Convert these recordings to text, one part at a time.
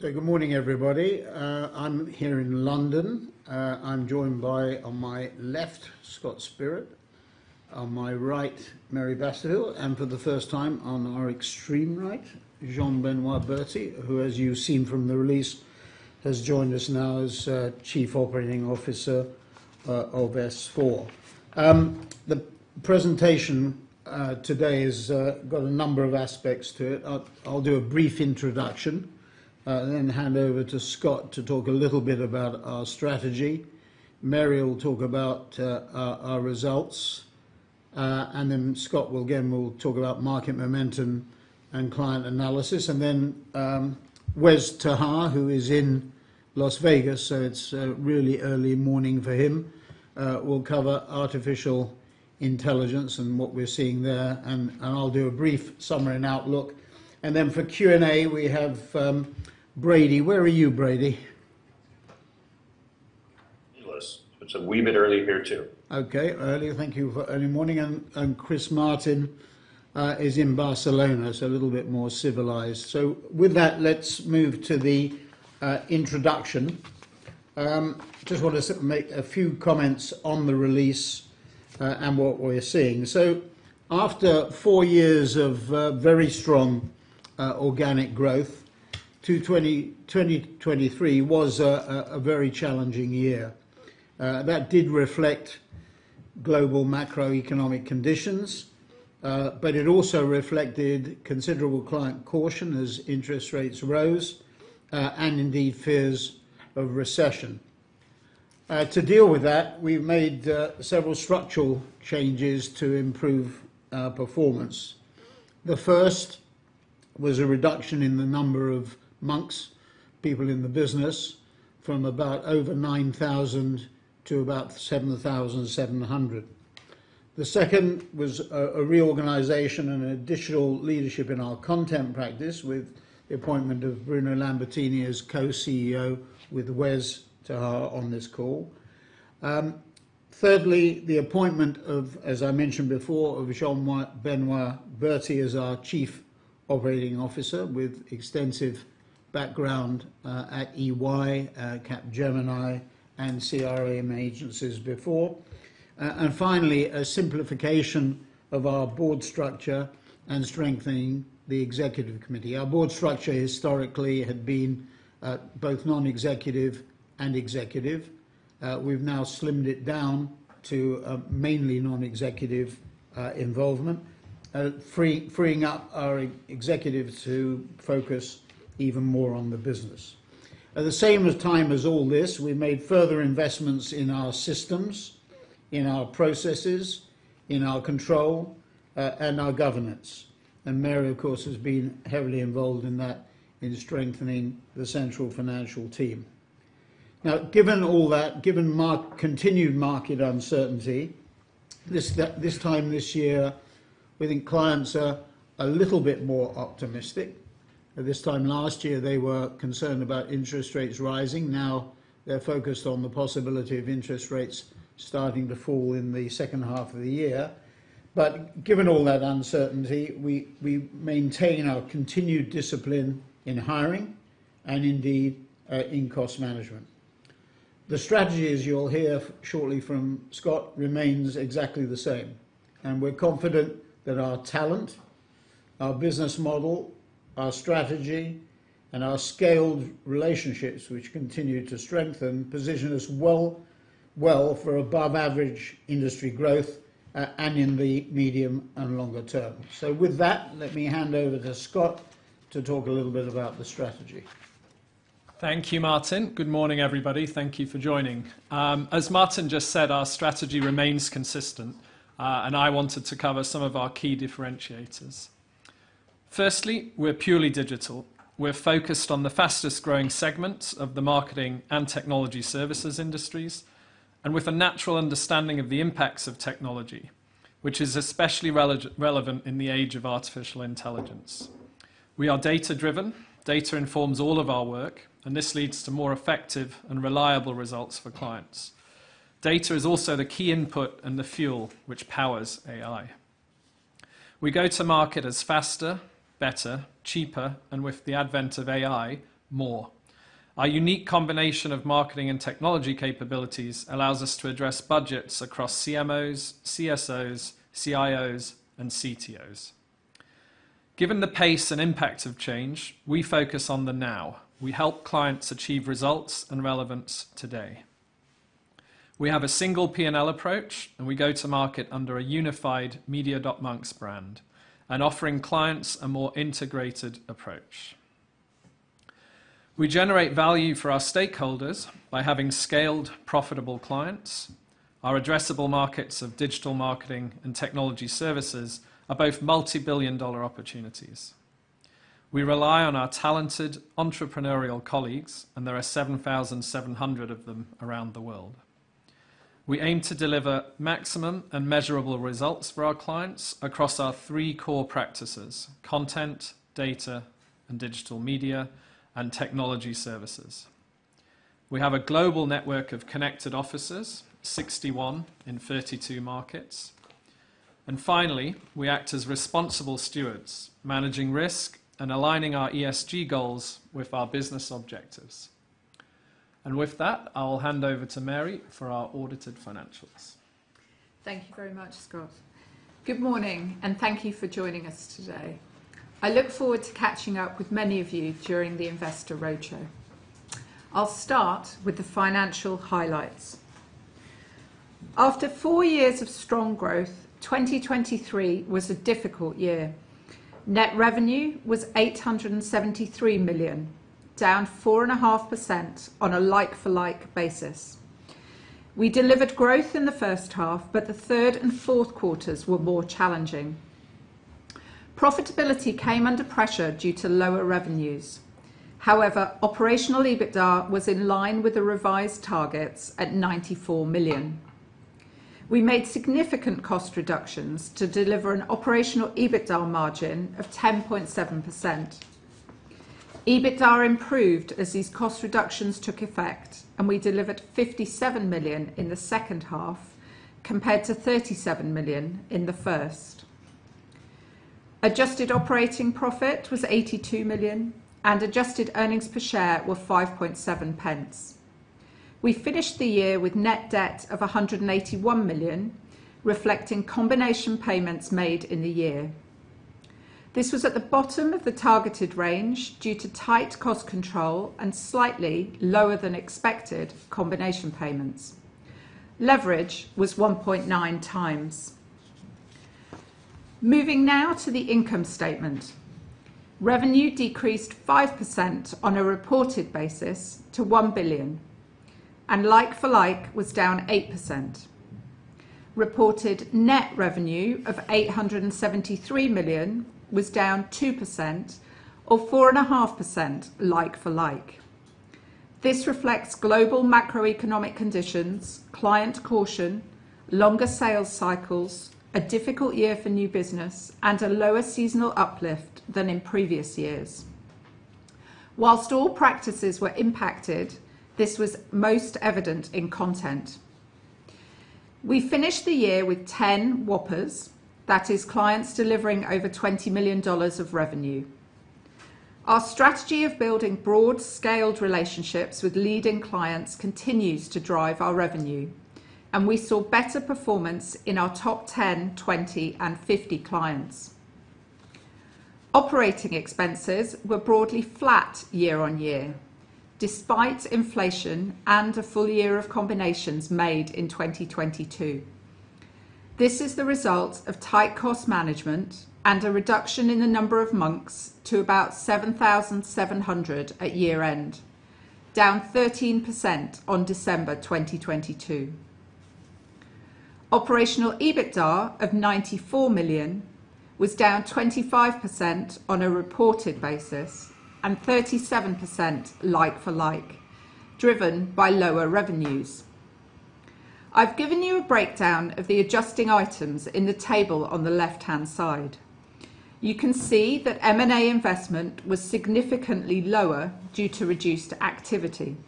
Good morning, everybody. I'm here in London. I'm joined by, on my left, Scott Spirit. On my right, Mary Basterfield. And for the first time on our extreme right, Jean-Benoit Berty, who, as you've seen from the release, has joined us now as Chief Operating Officer of S4. The presentation today has got a number of aspects to it. I'll do a brief introduction, then hand over to Scott to talk a little bit about our strategy. Mary will talk about our results. And then Scott will again talk about market momentum and client analysis. And then Wes ter Haar, who is in Las Vegas, so it's really early morning for him, will cover artificial intelligence and what we're seeing there. And I'll do a brief summary and outlook. And then for Q&A, we have Brady. Where are you, Brady? Wes, it's a wee bit early here too. Okay. Early. Thank you for early morning. Chris Martin is in Barcelona, so a little bit more civilized. With that, let's move to the introduction. Just want to make a few comments on the release and what we're seeing. After four years of very strong organic growth, 2023 was a very challenging year. That did reflect global macroeconomic conditions, but it also reflected considerable client caution as interest rates rose and, indeed, fears of recession. To deal with that, we've made several structural changes to improve performance. The first was a reduction in the number of Monks people in the business, from about over 9,000 to about 7,700. The second was a reorganization and additional leadership in our content practice with the appointment of Bruno Lambertini as co-CEO, with Wes ter Haar on this call. Thirdly, the appointment of, as I mentioned before, of Jean-Benoit Berty as our Chief Operating Officer with extensive background at EY, Capgemini, and CRM agencies before. And finally, a simplification of our board structure and strengthening the executive committee. Our board structure historically had been both non-executive and executive. We've now slimmed it down to mainly non-executive involvement, freeing up our executives to focus even more on the business. At the same time as all this, we've made further investments in our systems, in our processes, in our control, and our governance. And Mary, of course, has been heavily involved in that, in strengthening the central financial team. Now, given all that, given continued market uncertainty, this time this year, we think clients are a little bit more optimistic. This time last year, they were concerned about interest rates rising. Now, they're focused on the possibility of interest rates starting to fall in the second half of the year. But given all that uncertainty, we maintain our continued discipline in hiring and, indeed, in cost management. The strategy, as you'll hear shortly from Scott, remains exactly the same. And we're confident that our talent, our business model, our strategy, and our scaled relationships, which continue to strengthen, position us well for above-average industry growth and in the medium and longer term. With that, let me hand over to Scott to talk a little bit about the strategy. Thank you, Martin. Good morning, everybody. Thank you for joining. As Martin just said, our strategy remains consistent. I wanted to cover some of our key differentiators. Firstly, we're purely digital. We're focused on the fastest-growing segments of the marketing and technology services industries and with a natural understanding of the impacts of technology, which is especially relevant in the age of artificial intelligence. We are data-driven. Data informs all of our work. This leads to more effective and reliable results for clients. Data is also the key input and the fuel which powers AI. We go to market as faster, better, cheaper, and with the advent of AI, more. Our unique combination of marketing and technology capabilities allows us to address budgets across CMOs, CSOs, CIOs, and CTOs. Given the pace and impact of change, we focus on the now. We help clients achieve results and relevance today. We have a single P&L approach. We go to market under a unified Media.Monks brand and offering clients a more integrated approach. We generate value for our stakeholders by having scaled, profitable clients. Our addressable markets of digital marketing and technology services are both multi-billion-dollar opportunities. We rely on our talented entrepreneurial colleagues. There are 7,700 of them around the world. We aim to deliver maximum and measurable results for our clients across our three core practices: content, data, and digital media, and technology services. We have a global network of connected offices, 61 in 32 markets. Finally, we act as responsible stewards, managing risk and aligning our ESG goals with our business objectives. With that, I'll hand over to Mary for our audited financials. Thank you very much, Scott. Good morning. Thank you for joining us today. I look forward to catching up with many of you during the investor roadshow. I'll start with the financial highlights. After four years of strong growth, 2023 was a difficult year. Net revenue was 873 million, down 4.5% on a like-for-like basis. We delivered growth in the first half, but the third and fourth quarters were more challenging. Profitability came under pressure due to lower revenues. However, operational EBITDA was in line with the revised targets at 94 million. We made significant cost reductions to deliver an operational EBITDA margin of 10.7%. EBITDA improved as these cost reductions took effect. We delivered 57 million in the second half compared to 37 million in the first. Adjusted operating profit was 82 million. Adjusted earnings per share were 5.7 pence. We finished the year with net debt of 181 million, reflecting combination payments made in the year. This was at the bottom of the targeted range due to tight cost control and slightly lower-than-expected combination payments. Leverage was 1.9 times. Moving now to the income statement, revenue decreased 5% on a reported basis to 1 billion. Like-for-like was down 8%. Reported net revenue of 873 million was down 2% or 4.5% like-for-like. This reflects global macroeconomic conditions, client caution, longer sales cycles, a difficult year for new business, and a lower seasonal uplift than in previous years. While all practices were impacted, this was most evident in content. We finished the year with 10 whoppers. That is, clients delivering over $20 million of revenue. Our strategy of building broad, scaled relationships with leading clients continues to drive our revenue. We saw better performance in our top 10, 20, and 50 clients. Operating expenses were broadly flat year-on-year despite inflation and a full year of combinations made in 2022. This is the result of tight cost management and a reduction in the number of Monks to about 7,700 at year-end, down 13% on December 2022. Operational EBITDA of 94 million was down 25% on a reported basis and 37% like-for-like, driven by lower revenues. I've given you a breakdown of the adjusting items in the table on the left-hand side. You can see that M&A investment was significantly lower due to reduced activity.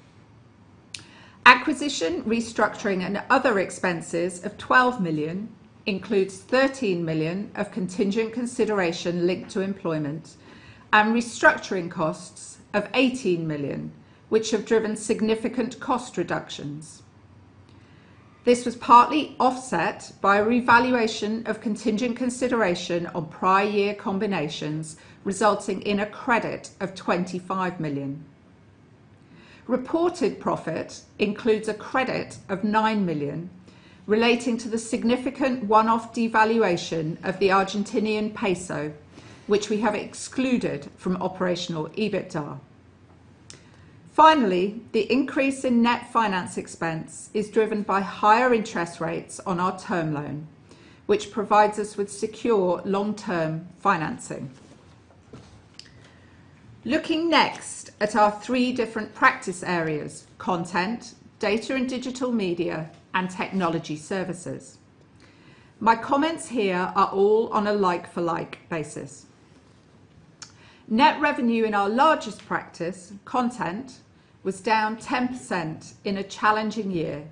Acquisition, restructuring, and other expenses of 12 million includes 13 million of contingent consideration linked to employment and restructuring costs of 18 million, which have driven significant cost reductions. This was partly offset by a revaluation of contingent consideration on prior-year combinations, resulting in a credit of 25 million. Reported profit includes a credit of 9 million relating to the significant one-off devaluation of the Argentine peso, which we have excluded from operational EBITDA. Finally, the increase in net finance expense is driven by higher interest rates on our term loan, which provides us with secure long-term financing. Looking next at our three different practice areas: content, data, and digital media, and technology services. My comments here are all on a like-for-like basis. Net revenue in our largest practice, content, was down 10% in a challenging year,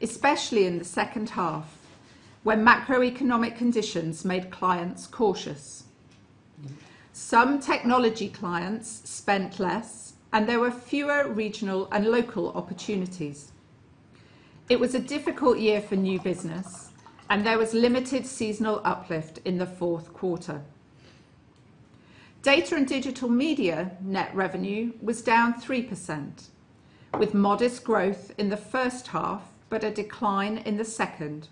especially in the second half when macroeconomic conditions made clients cautious. Some technology clients spent less. There was limited seasonal uplift in the fourth quarter. Data & Digital Media net revenue was down 3% with modest growth in the first half but a decline in the second,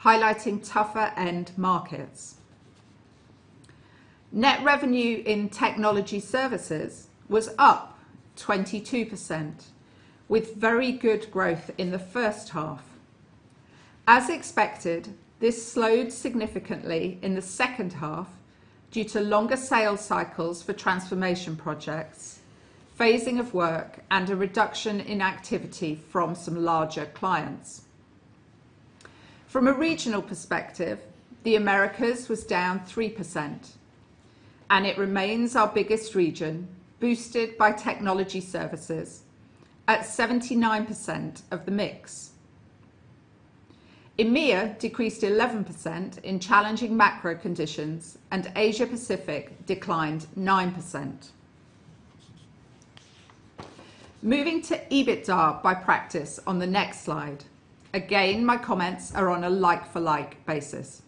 highlighting tougher-end markets. Net revenue in Technology Services was up 22% with very good growth in the first half. As expected, this slowed significantly in the second half due to longer sales cycles for transformation projects, phasing of work, and a reduction in activity from some larger clients. From a regional perspective, the Americas was down 3%. It remains our biggest region, boosted by Technology Services at 79% of the mix. EMEA decreased 11% in challenging macro conditions. Asia-Pacific declined 9%. Moving to EBITDA by practice on the next slide, again, my comments are on a like-for-like basis.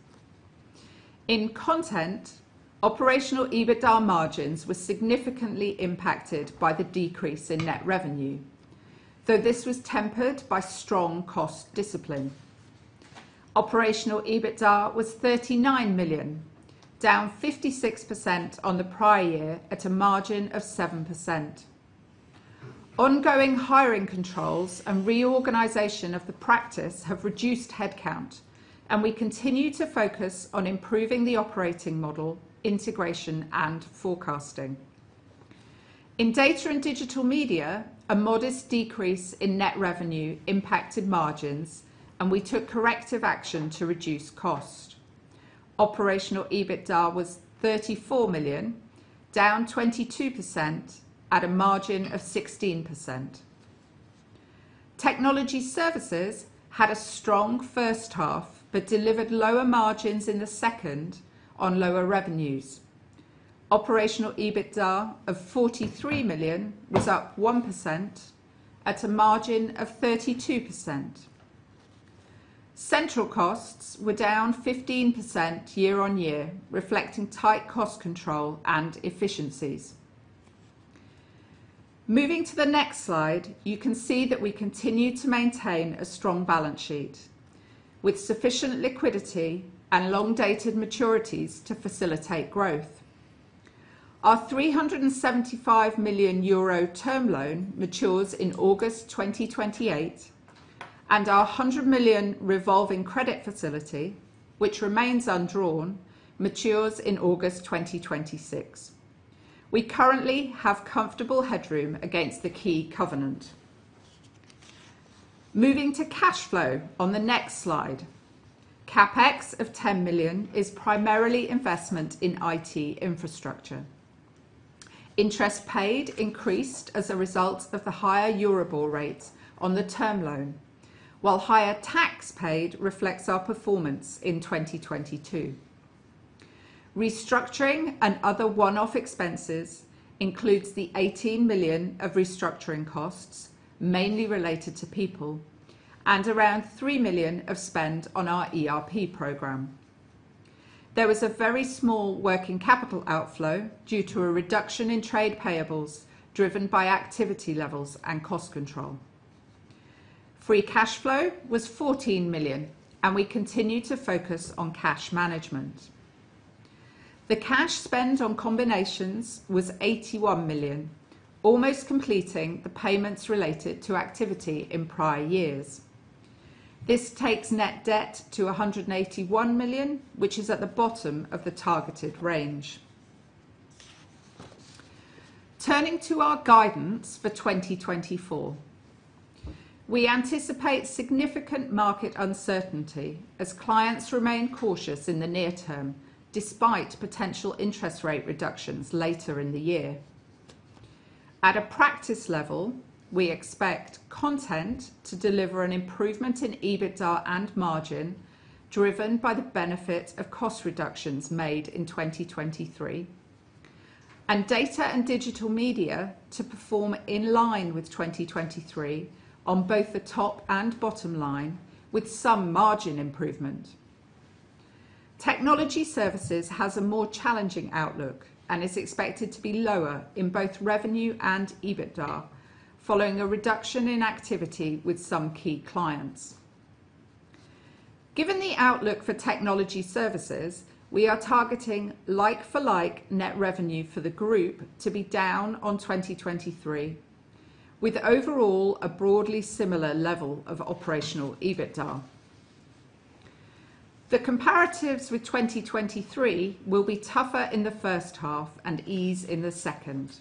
In Content, operational EBITDA margins were significantly impacted by the decrease in net revenue, though this was tempered by strong cost discipline. Operational EBITDA was 39 million, down 56% on the prior year at a margin of 7%. Ongoing hiring controls and reorganization of the practice have reduced headcount. We continue to focus on improving the operating model, integration, and forecasting. In data and digital media, a modest decrease in net revenue impacted margins. We took corrective action to reduce cost. Operational EBITDA was 34 million, down 22% at a margin of 16%. Technology services had a strong first half but delivered lower margins in the second on lower revenues. Operational EBITDA of 43 million was up 1% at a margin of 32%. Central costs were down 15% year-on-year, reflecting tight cost control and efficiencies. Moving to the next slide, you can see that we continue to maintain a strong balance sheet with sufficient liquidity and long-dated maturities to facilitate growth. Our 375 million euro term loan matures in August 2028. Our 100 million revolving credit facility, which remains undrawn, matures in August 2026. We currently have comfortable headroom against the key covenant. Moving to cash flow on the next slide, CapEx of 10 million is primarily investment in IT infrastructure. Interest paid increased as a result of the higher Euribor rates on the term loan, while higher tax paid reflects our performance in 2022. Restructuring and other one-off expenses include the 18 million of restructuring costs, mainly related to people, and around 3 million of spend on our ERP program. There was a very small working capital outflow due to a reduction in trade payables driven by activity levels and cost control. Free cash flow was 14 million. We continue to focus on cash management. The cash spend on combinations was 81 million, almost completing the payments related to activity in prior years. This takes net debt to 181 million, which is at the bottom of the targeted range. Turning to our guidance for 2024, we anticipate significant market uncertainty as clients remain cautious in the near term despite potential interest rate reductions later in the year. At a practice level, we expect content to deliver an improvement in EBITDA and margin driven by the benefit of cost reductions made in 2023 and data and digital media to perform in line with 2023 on both the top and bottom line with some margin improvement. Technology services has a more challenging outlook and is expected to be lower in both revenue and EBITDA following a reduction in activity with some key clients. Given the outlook for technology services, we are targeting like-for-like net revenue for the group to be down on 2023 with overall a broadly similar level of operational EBITDA. The comparatives with 2023 will be tougher in the first half and ease in the second.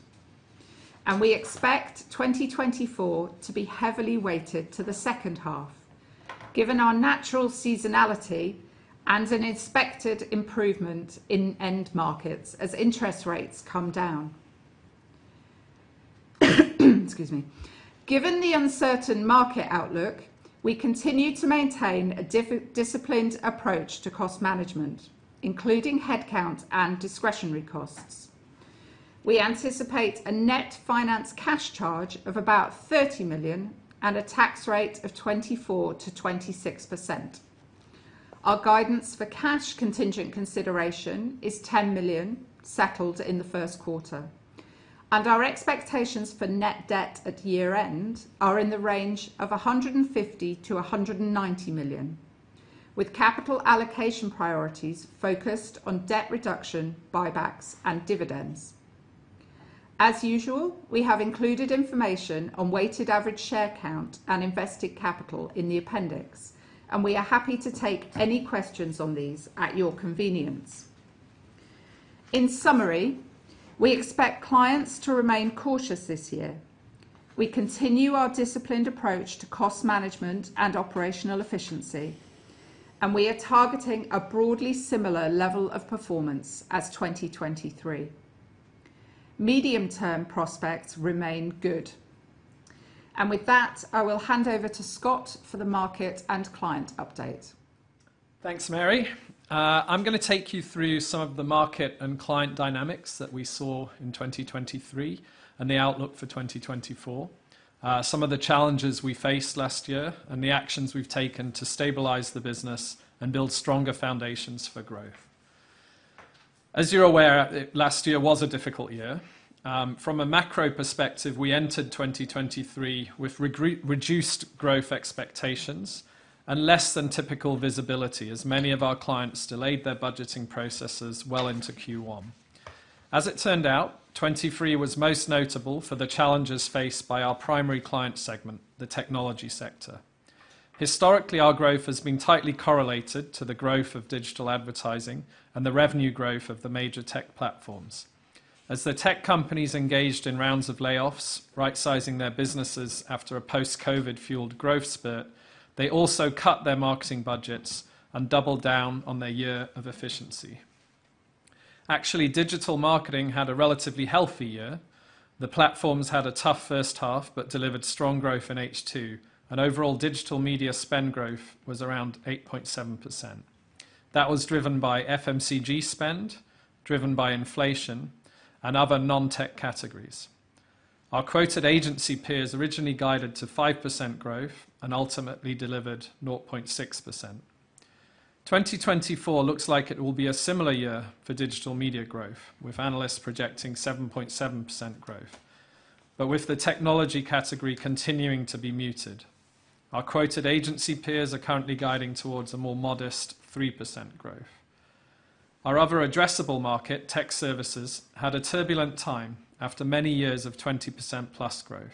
We expect 2024 to be heavily weighted to the second half given our natural seasonality and an expected improvement in end markets as interest rates come down. Excuse me. Given the uncertain market outlook, we continue to maintain a disciplined approach to cost management, including headcount and discretionary costs. We anticipate a net finance cash charge of about 30 million and a tax rate of 24%-26%. Our guidance for cash contingent consideration is 10 million settled in the first quarter. Our expectations for net debt at year-end are in the range of 150 million-190 million with capital allocation priorities focused on debt reduction, buybacks, and dividends. As usual, we have included information on weighted average share count and invested capital in the appendix. We are happy to take any questions on these at your convenience. In summary, we expect clients to remain cautious this year. We continue our disciplined approach to cost management and operational efficiency. We are targeting a broadly similar level of performance as 2023. Medium-term prospects remain good. With that, I will hand over to Scott for the market and client update. Thanks, Mary. I'm going to take you through some of the market and client dynamics that we saw in 2023 and the outlook for 2024, some of the challenges we faced last year, and the actions we've taken to stabilize the business and build stronger foundations for growth. As you're aware, last year was a difficult year. From a macro perspective, we entered 2023 with reduced growth expectations and less than typical visibility as many of our clients delayed their budgeting processes well into Q1. As it turned out, 2023 was most notable for the challenges faced by our primary client segment, the technology sector. Historically, our growth has been tightly correlated to the growth of digital advertising and the revenue growth of the major tech platforms. As the tech companies engaged in rounds of layoffs, right-sizing their businesses after a post-COVID-fueled growth spurt, they also cut their marketing budgets and doubled down on their year of efficiency. Actually, digital marketing had a relatively healthy year. The platforms had a tough first half but delivered strong growth in H2. Overall, digital media spend growth was around 8.7%. That was driven by FMCG spend, driven by inflation, and other non-tech categories. Our quoted agency peers originally guided to 5% growth and ultimately delivered 0.6%. 2024 looks like it will be a similar year for digital media growth with analysts projecting 7.7% growth but with the technology category continuing to be muted. Our quoted agency peers are currently guiding towards a more modest 3% growth. Our other addressable market, tech services, had a turbulent time after many years of 20%-plus growth.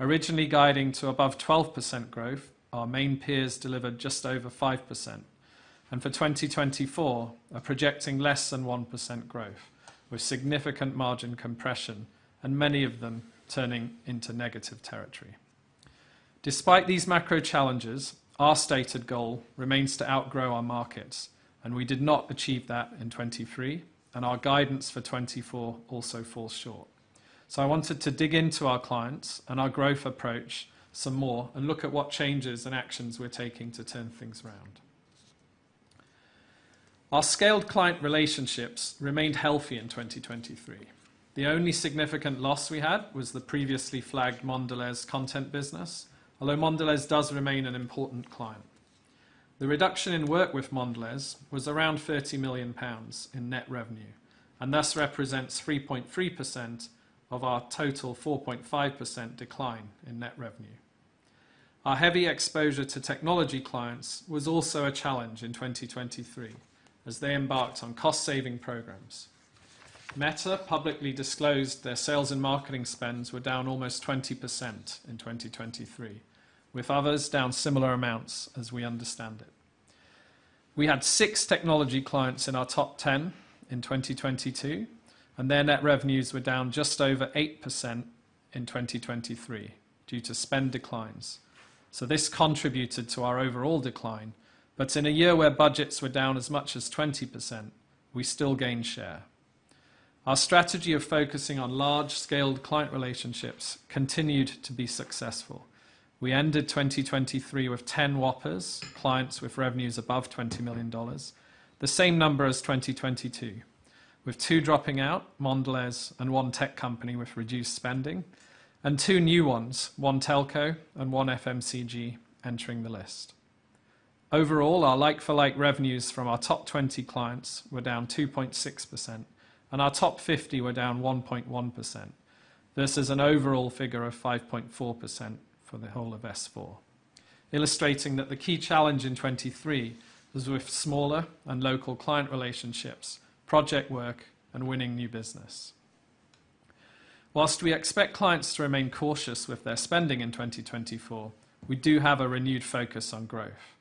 Originally guiding to above 12% growth, our main peers delivered just over 5%. For 2024, are projecting less than 1% growth with significant margin compression and many of them turning into negative territory. Despite these macro challenges, our stated goal remains to outgrow our markets. We did not achieve that in 2023. Our guidance for 2024 also falls short. So I wanted to dig into our clients and our growth approach some more and look at what changes and actions we're taking to turn things round. Our scaled client relationships remained healthy in 2023. The only significant loss we had was the previously flagged Mondelēz content business, although Mondelēz does remain an important client. The reduction in work with Mondelēz was around 30 million pounds in net revenue. Thus represents 3.3% of our total 4.5% decline in net revenue. Our heavy exposure to technology clients was also a challenge in 2023 as they embarked on cost-saving programs. Meta publicly disclosed their sales and marketing spends were down almost 20% in 2023 with others down similar amounts as we understand it. We had six technology clients in our top 10 in 2022. Their net revenues were down just over 8% in 2023 due to spend declines. This contributed to our overall decline. In a year where budgets were down as much as 20%, we still gained share. Our strategy of focusing on large-scale client relationships continued to be successful. We ended 2023 with 10 Whoppers, clients with revenues above $20 million, the same number as 2022 with two dropping out, Mondelēz and one tech company with reduced spending and two new ones, one telco and one FMCG, entering the list. Overall, our like-for-like revenues from our top 20 clients were down 2.6%. Our top 50 were down 1.1% versus an overall figure of 5.4% for the whole of S4, illustrating that the key challenge in 2023 was with smaller and local client relationships, project work, and winning new business. While we expect clients to remain cautious with their spending in 2024, we do have a renewed focus on growth.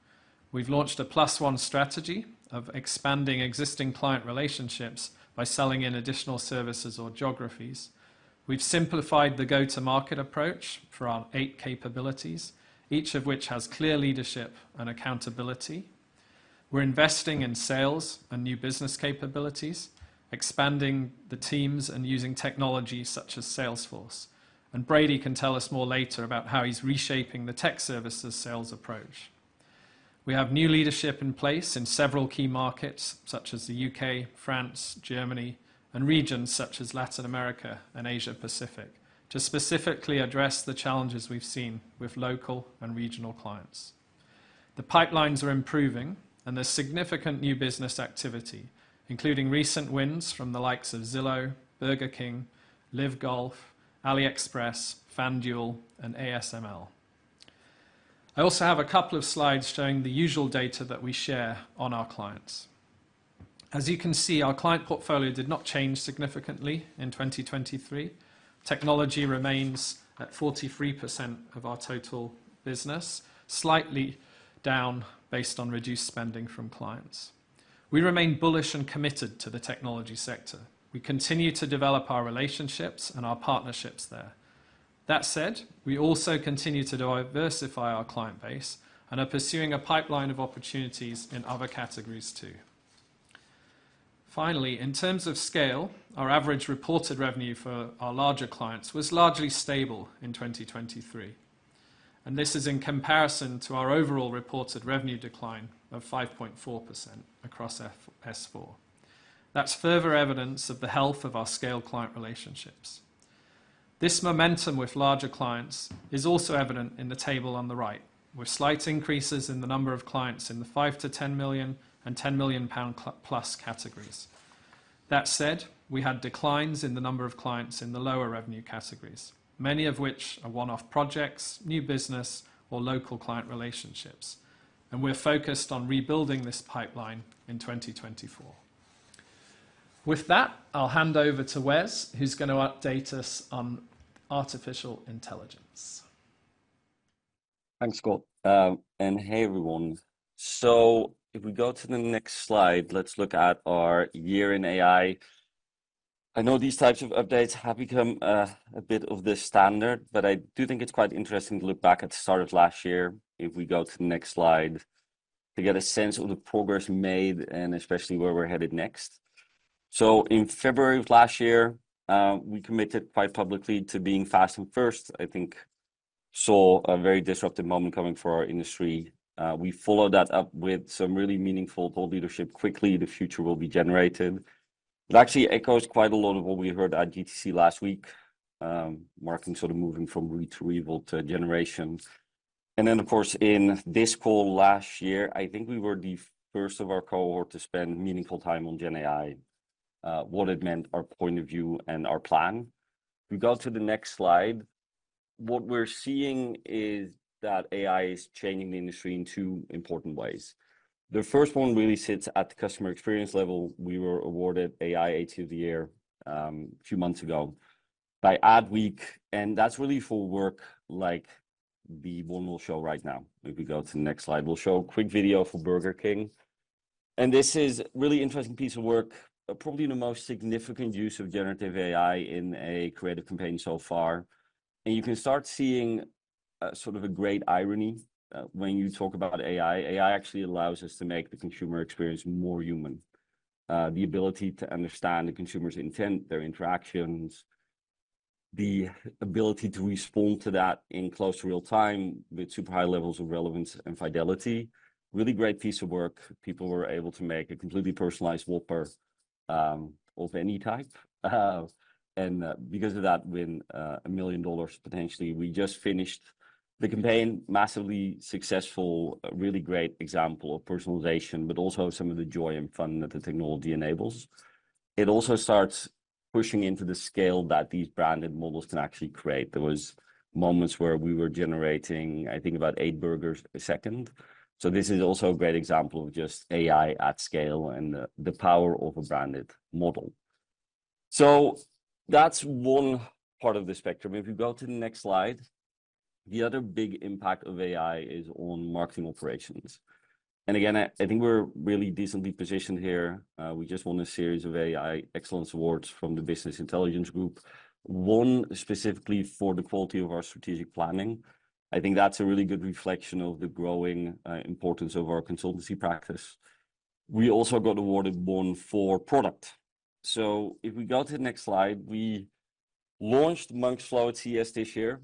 We've launched a plus-one strategy of expanding existing client relationships by selling in additional services or geographies. We've simplified the go-to-market approach for our eight capabilities, each of which has clear leadership and accountability. We're investing in sales and new business capabilities, expanding the teams and using technology such as Salesforce. Brady can tell us more later about how he's reshaping the tech services sales approach. We have new leadership in place in several key markets such as the UK, France, Germany, and regions such as Latin America and Asia Pacific to specifically address the challenges we've seen with local and regional clients. The pipelines are improving. There's significant new business activity, including recent wins from the likes of Zillow, Burger King, LIV Golf, AliExpress, FanDuel, and ASML. I also have a couple of slides showing the usual data that we share on our clients. As you can see, our client portfolio did not change significantly in 2023. Technology remains at 43% of our total business, slightly down based on reduced spending from clients. We remain bullish and committed to the technology sector. We continue to develop our relationships and our partnerships there. That said, we also continue to diversify our client base and are pursuing a pipeline of opportunities in other categories too. Finally, in terms of scale, our average reported revenue for our larger clients was largely stable in 2023. This is in comparison to our overall reported revenue decline of 5.4% across S4. That's further evidence of the health of our scaled client relationships. This momentum with larger clients is also evident in the table on the right with slight increases in the number of clients in the 5 million-10 million and GBP 10 million plus categories. That said, we had declines in the number of clients in the lower revenue categories, many of which are one-off projects, new business, or local client relationships. We're focused on rebuilding this pipeline in 2024. With that, I'll hand over to Wes, who's going to update us on artificial intelligence. Thanks, Scott. Hey, everyone. So if we go to the next slide, let's look at our year in AI. I know these types of updates have become a bit of a standard. But I do think it's quite interesting to look back at the start of last year if we go to the next slide to get a sense of the progress made and especially where we're headed next. So in February of last year, we committed quite publicly to being fast and first. I think we saw a very disruptive moment coming for our industry. We followed that up with some really meaningful core leadership quickly. The future will be generative. It actually echoes quite a lot of what we heard at GTC last week, marking sort of moving from read to reveal to generation. Then, of course, in this call last year, I think we were the first of our cohort to spend meaningful time on GenAI, what it meant, our point of view, and our plan. If we go to the next slide, what we're seeing is that AI is changing the industry in two important ways. The first one really sits at the customer experience level. We were awarded AI Agency of the Year a few months ago by Adweek. That's really for work like the one we'll show right now. If we go to the next slide, we'll show a quick video for Burger King. This is a really interesting piece of work, probably the most significant use of generative AI in a creative campaign so far. You can start seeing sort of a great irony when you talk about AI. AI actually allows us to make the consumer experience more human, the ability to understand the consumer's intent, their interactions, the ability to respond to that in close real time with super high levels of relevance and fidelity. Really great piece of work. People were able to make a completely personalized Whopper of any type. And because of that, win $1 million potentially. We just finished the campaign, massively successful, really great example of personalization but also some of the joy and fun that the technology enables. It also starts pushing into the scale that these branded models can actually create. There were moments where we were generating, I think, about eight burgers a second. So this is also a great example of just AI at scale and the power of a branded model. So that's one part of the spectrum. If we go to the next slide, the other big impact of AI is on marketing operations. And again, I think we're really decently positioned here. We just won a series of AI Excellence Awards from the Business Intelligence Group, one specifically for the quality of our strategic planning. I think that's a really good reflection of the growing importance of our consultancy practice. We also got awarded one for product. So if we go to the next slide, we launched Monks.Flow at CES this year,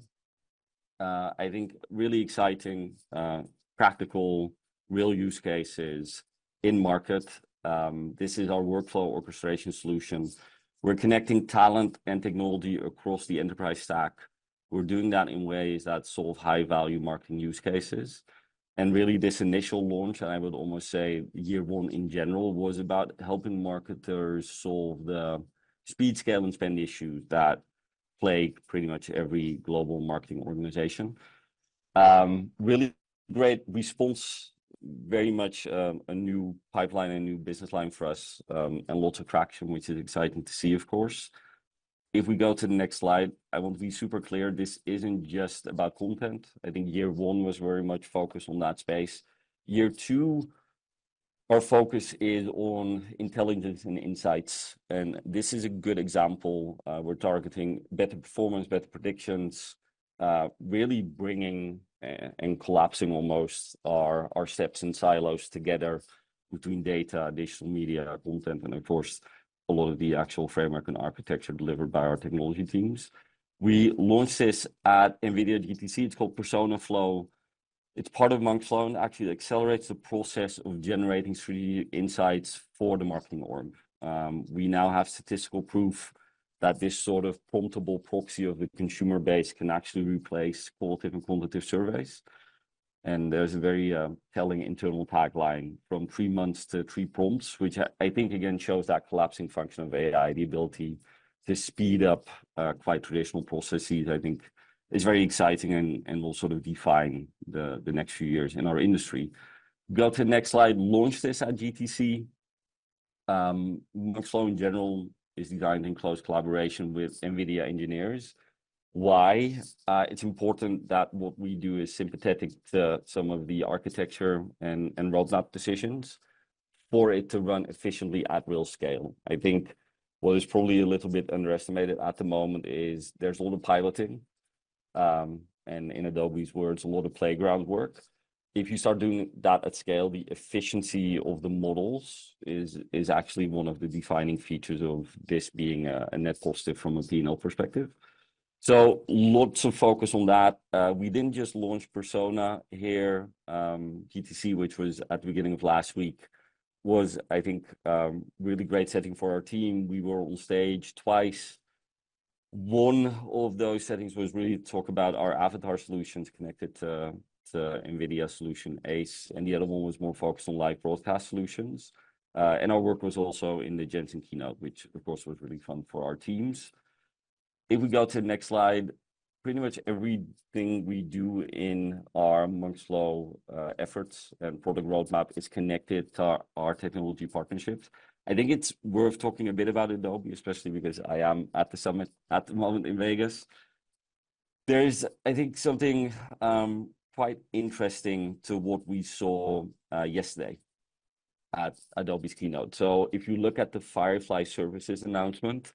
I think really exciting, practical, real use cases in market. This is our workflow orchestration solution. We're connecting talent and technology across the enterprise stack. We're doing that in ways that solve high-value marketing use cases. And really, this initial launch, and I would almost say year one in general, was about helping marketers solve the speed scale and spend issues that plague pretty much every global marketing organization. Really great response, very much a new pipeline, a new business line for us, and lots of traction, which is exciting to see, of course. If we go to the next slide, I want to be super clear. This isn't just about content. I think year one was very much focused on that space. Year two, our focus is on intelligence and insights. And this is a good example. We're targeting better performance, better predictions, really bringing and collapsing almost our steps and silos together between data, digital media, content, and, of course, a lot of the actual framework and architecture delivered by our technology teams. We launched this at NVIDIA GTC. It's called Persona.Flow. It's part of Monks.Flow and actually accelerates the process of generating 3D insights for the marketing org. We now have statistical proof that this sort of promptable proxy of the consumer base can actually replace qualitative and quantitative surveys. There's a very telling internal tagline from three months to three prompts, which I think, again, shows that collapsing function of AI, the ability to speed up quite traditional processes, I think, is very exciting and will sort of define the next few years in our industry. Go to the next slide. Launched this at GTC. Monk.Flow, in general, is designed in close collaboration with NVIDIA engineers. Why? It's important that what we do is sympathetic to some of the architecture and roadmap decisions for it to run efficiently at real scale. I think what is probably a little bit underestimated at the moment is there's a lot of piloting. In Adobe's words, a lot of playground work. If you start doing that at scale, the efficiency of the models is actually one of the defining features of this being a net positive from a P&L perspective. So lots of focus on that. We didn't just launch Persona here. GTC, which was at the beginning of last week, was, I think, a really great setting for our team. We were on stage twice. One of those settings was really to talk about our avatar solutions connected to NVIDIA's solution ACE. The other one was more focused on live broadcast solutions. Our work was also in the Jensen keynote, which, of course, was really fun for our teams. If we go to the next slide, pretty much everything we do in our Monks.Flow efforts and product roadmap is connected to our technology partnerships. I think it's worth talking a bit about Adobe, especially because I am at the summit at the moment in Vegas. There is, I think, something quite interesting to what we saw yesterday at Adobe's keynote. So if you look at the Firefly Services announcement,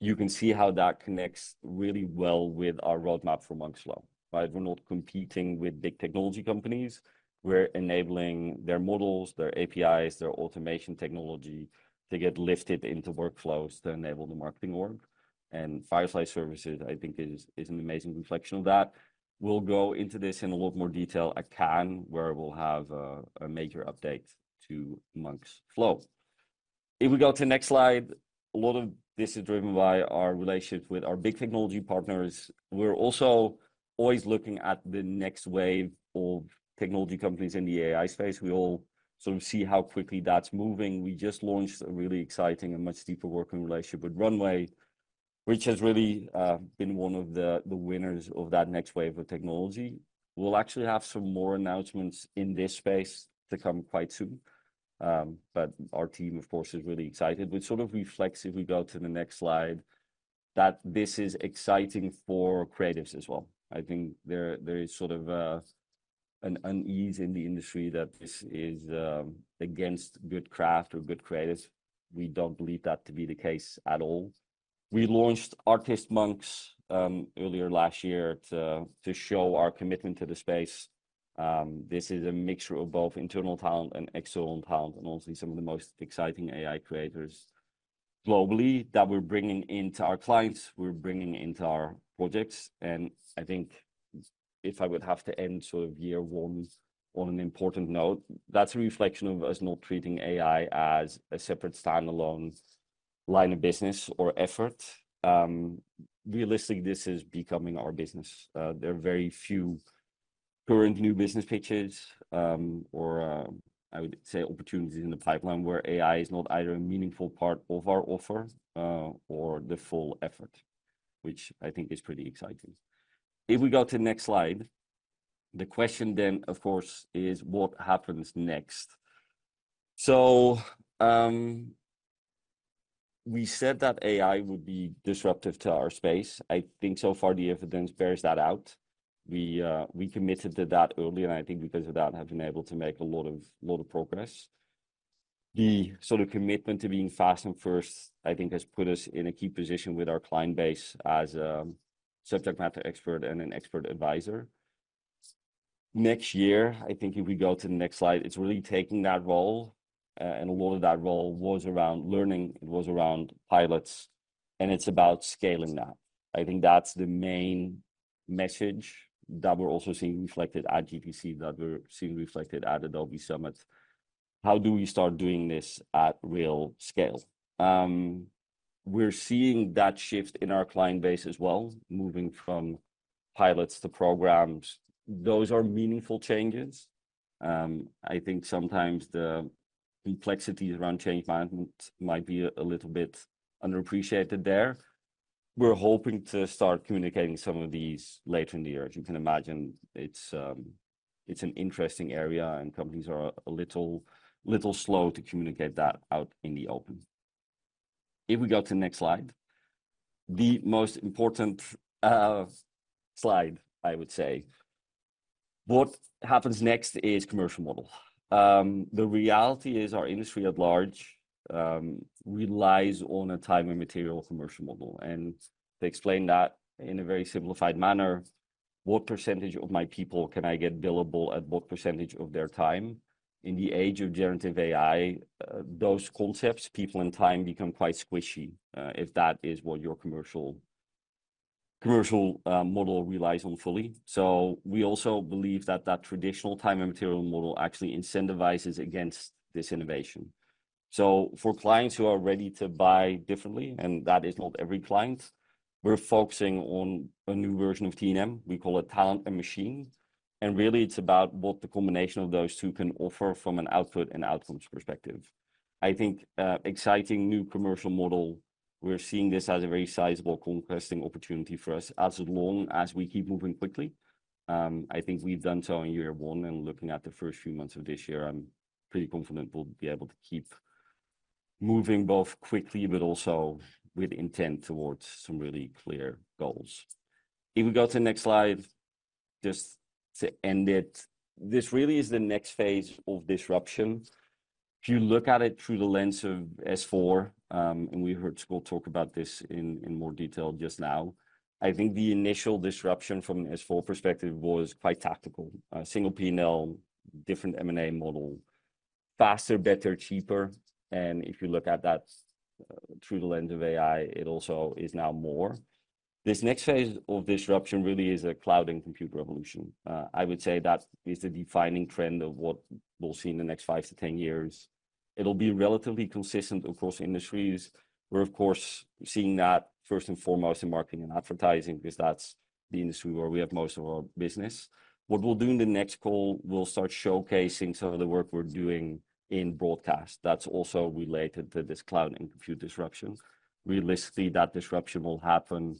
you can see how that connects really well with our roadmap for Monks.Flow, right? We're not competing with big technology companies. We're enabling their models, their APIs, their automation technology to get lifted into workflows to enable the marketing org. And Firefly Services, I think, is an amazing reflection of that. We'll go into this in a lot more detail at CAN, where we'll have a major update to Monks.Flow. If we go to the next slide, a lot of this is driven by our relationship with our big technology partners. We're also always looking at the next wave of technology companies in the AI space. We all sort of see how quickly that's moving. We just launched a really exciting and much deeper working relationship with Runway, which has really been one of the winners of that next wave of technology. We'll actually have some more announcements in this space to come quite soon. But our team, of course, is really excited. But sort of reflects, if we go to the next slide, that this is exciting for creatives as well. I think there is sort of an unease in the industry that this is against good craft or good creatives. We don't believe that to be the case at all. We launched Artist Monks earlier last year to show our commitment to the space. This is a mixture of both internal talent and external talent and also some of the most exciting AI creators globally that we're bringing into our clients. We're bringing into our projects. I think if I would have to end sort of year one on an important note, that's a reflection of us not treating AI as a separate standalone line of business or effort. Realistically, this is becoming our business. There are very few current new business pitches or, I would say, opportunities in the pipeline where AI is not either a meaningful part of our offer or the full effort, which I think is pretty exciting. If we go to the next slide, the question then, of course, is, what happens next? We said that AI would be disruptive to our space. I think so far, the evidence bears that out. We committed to that early. I think because of that, we have been able to make a lot of progress. The sort of commitment to being fast and first, I think, has put us in a key position with our client base as a subject matter expert and an expert advisor. Next year, I think if we go to the next slide, it's really taking that role. A lot of that role was around learning. It was around pilots. It's about scaling that. I think that's the main message that we're also seeing reflected at GTC, that we're seeing reflected at Adobe Summit. How do we start doing this at real scale? We're seeing that shift in our client base as well, moving from pilots to programs. Those are meaningful changes. I think sometimes the complexities around change management might be a little bit underappreciated there. We're hoping to start communicating some of these later in the year. As you can imagine, it's an interesting area. Companies are a little slow to communicate that out in the open. If we go to the next slide, the most important slide, I would say, what happens next is the commercial model. The reality is our industry at large relies on a time and material commercial model. To explain that in a very simplified manner, what percentage of my people can I get billable at what percentage of their time? In the age of generative AI, those concepts, people and time, become quite squishy if that is what your commercial model relies on fully. So we also believe that that traditional time and material model actually incentivizes against this innovation. So for clients who are ready to buy differently, and that is not every client, we're focusing on a new version of T&M. We call it Talent and Machine. And really, it's about what the combination of those two can offer from an output and outcomes perspective. I think an exciting new commercial model, we're seeing this as a very sizable conquesting opportunity for us as long as we keep moving quickly. I think we've done so in year one. And looking at the first few months of this year, I'm pretty confident we'll be able to keep moving both quickly but also with intent towards some really clear goals. If we go to the next slide, just to end it, this really is the next phase of disruption. If you look at it through the lens of S4, and we heard Scott talk about this in more detail just now, I think the initial disruption from an S4 perspective was quite tactical: single P&L, different M&A model, faster, better, cheaper. If you look at that through the lens of AI, it also is now more. This next phase of disruption really is a cloud and computer revolution. I would say that is the defining trend of what we'll see in the next 5-10 years. It'll be relatively consistent across industries. We're, of course, seeing that first and foremost in marketing and advertising because that's the industry where we have most of our business. What we'll do in the next call, we'll start showcasing some of the work we're doing in broadcast that's also related to this cloud and computer disruption. Realistically, that disruption will happen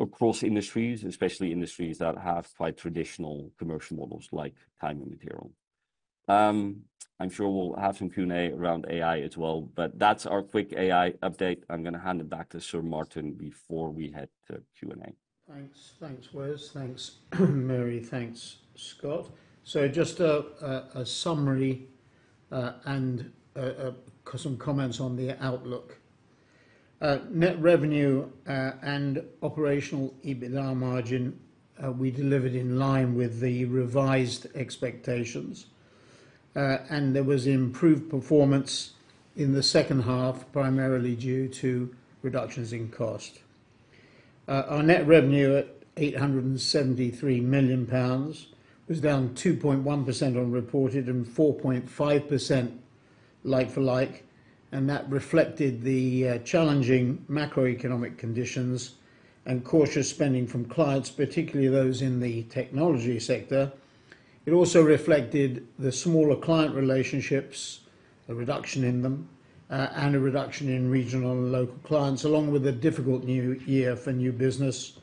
across industries, especially industries that have quite traditional commercial models like time and material. I'm sure we'll have some Q&A around AI as well. But that's our quick AI update. I'm going to hand it back to Sir Martin before we head to Q&A. Thanks. Thanks, Wes. Thanks, Mary. Thanks, Scott. Just a summary and some comments on the outlook. Net revenue and operational EBITDA margin we delivered in line with the revised expectations. There was improved performance in the second half, primarily due to reductions in cost. Our net revenue at 873 million pounds was down 2.1% on reported and 4.5% like for like. That reflected the challenging macroeconomic conditions and cautious spending from clients, particularly those in the technology sector. It also reflected the smaller client relationships, a reduction in them, and a reduction in regional and local clients, along with a difficult new year for new business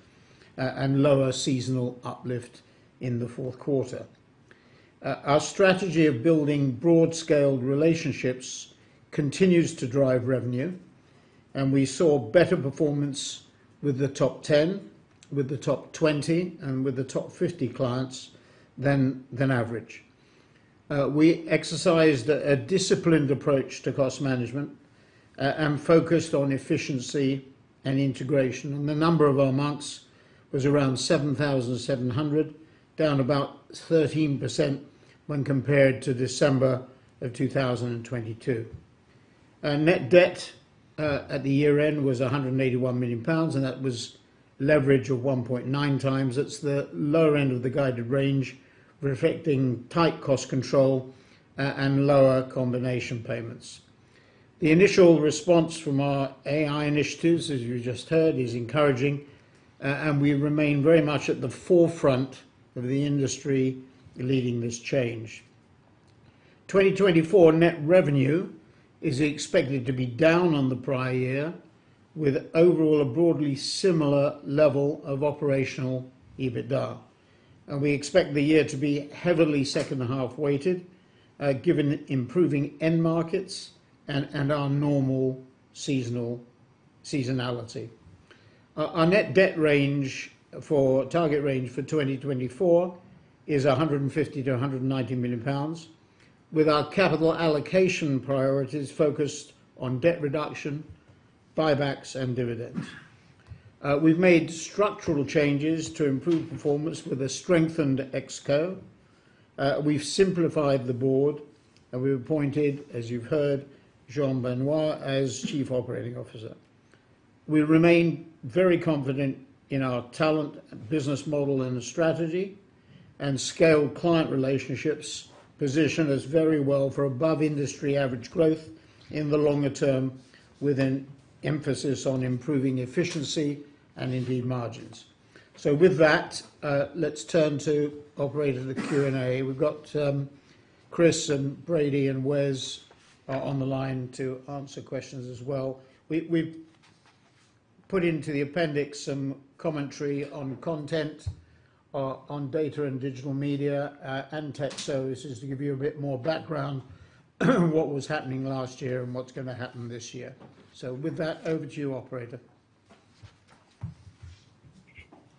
and lower seasonal uplift in the fourth quarter. Our strategy of building broad-scaled relationships continues to drive revenue. We saw better performance with the top 10, with the top 20, and with the top 50 clients than average. We exercised a disciplined approach to cost management and focused on efficiency and integration. The number of our Monks was around 7,700, down about 13% when compared to December of 2022. Net debt at the year-end was 181 million pounds. That was leverage of 1.9 times. That's the lower end of the guided range, reflecting tight cost control and lower contingent payments. The initial response from our AI initiatives, as you just heard, is encouraging. We remain very much at the forefront of the industry leading this change. 2024 net revenue is expected to be down on the prior year with overall a broadly similar level of operational EBITDA. We expect the year to be heavily second-half weighted given improving end markets and our normal seasonality. Our net debt range for target range for 2024 is 150 million-190 million pounds, with our capital allocation priorities focused on debt reduction, buybacks, and dividends. We've made structural changes to improve performance with a strengthened exco. We've simplified the board. We've appointed, as you've heard, Jean-Benoit as Chief Operating Officer. We remain very confident in our talent business model and strategy and scale client relationships position us very well for above-industry average growth in the longer term, with an emphasis on improving efficiency and, indeed, margins. So with that, let's turn to operator the Q&A. We've got Chris and Brady and Wes on the line to answer questions as well. We've put into the appendix some commentary on content, on data and digital media, and tech services to give you a bit more background on what was happening last year and what's going to happen this year. With that, over to you, operator.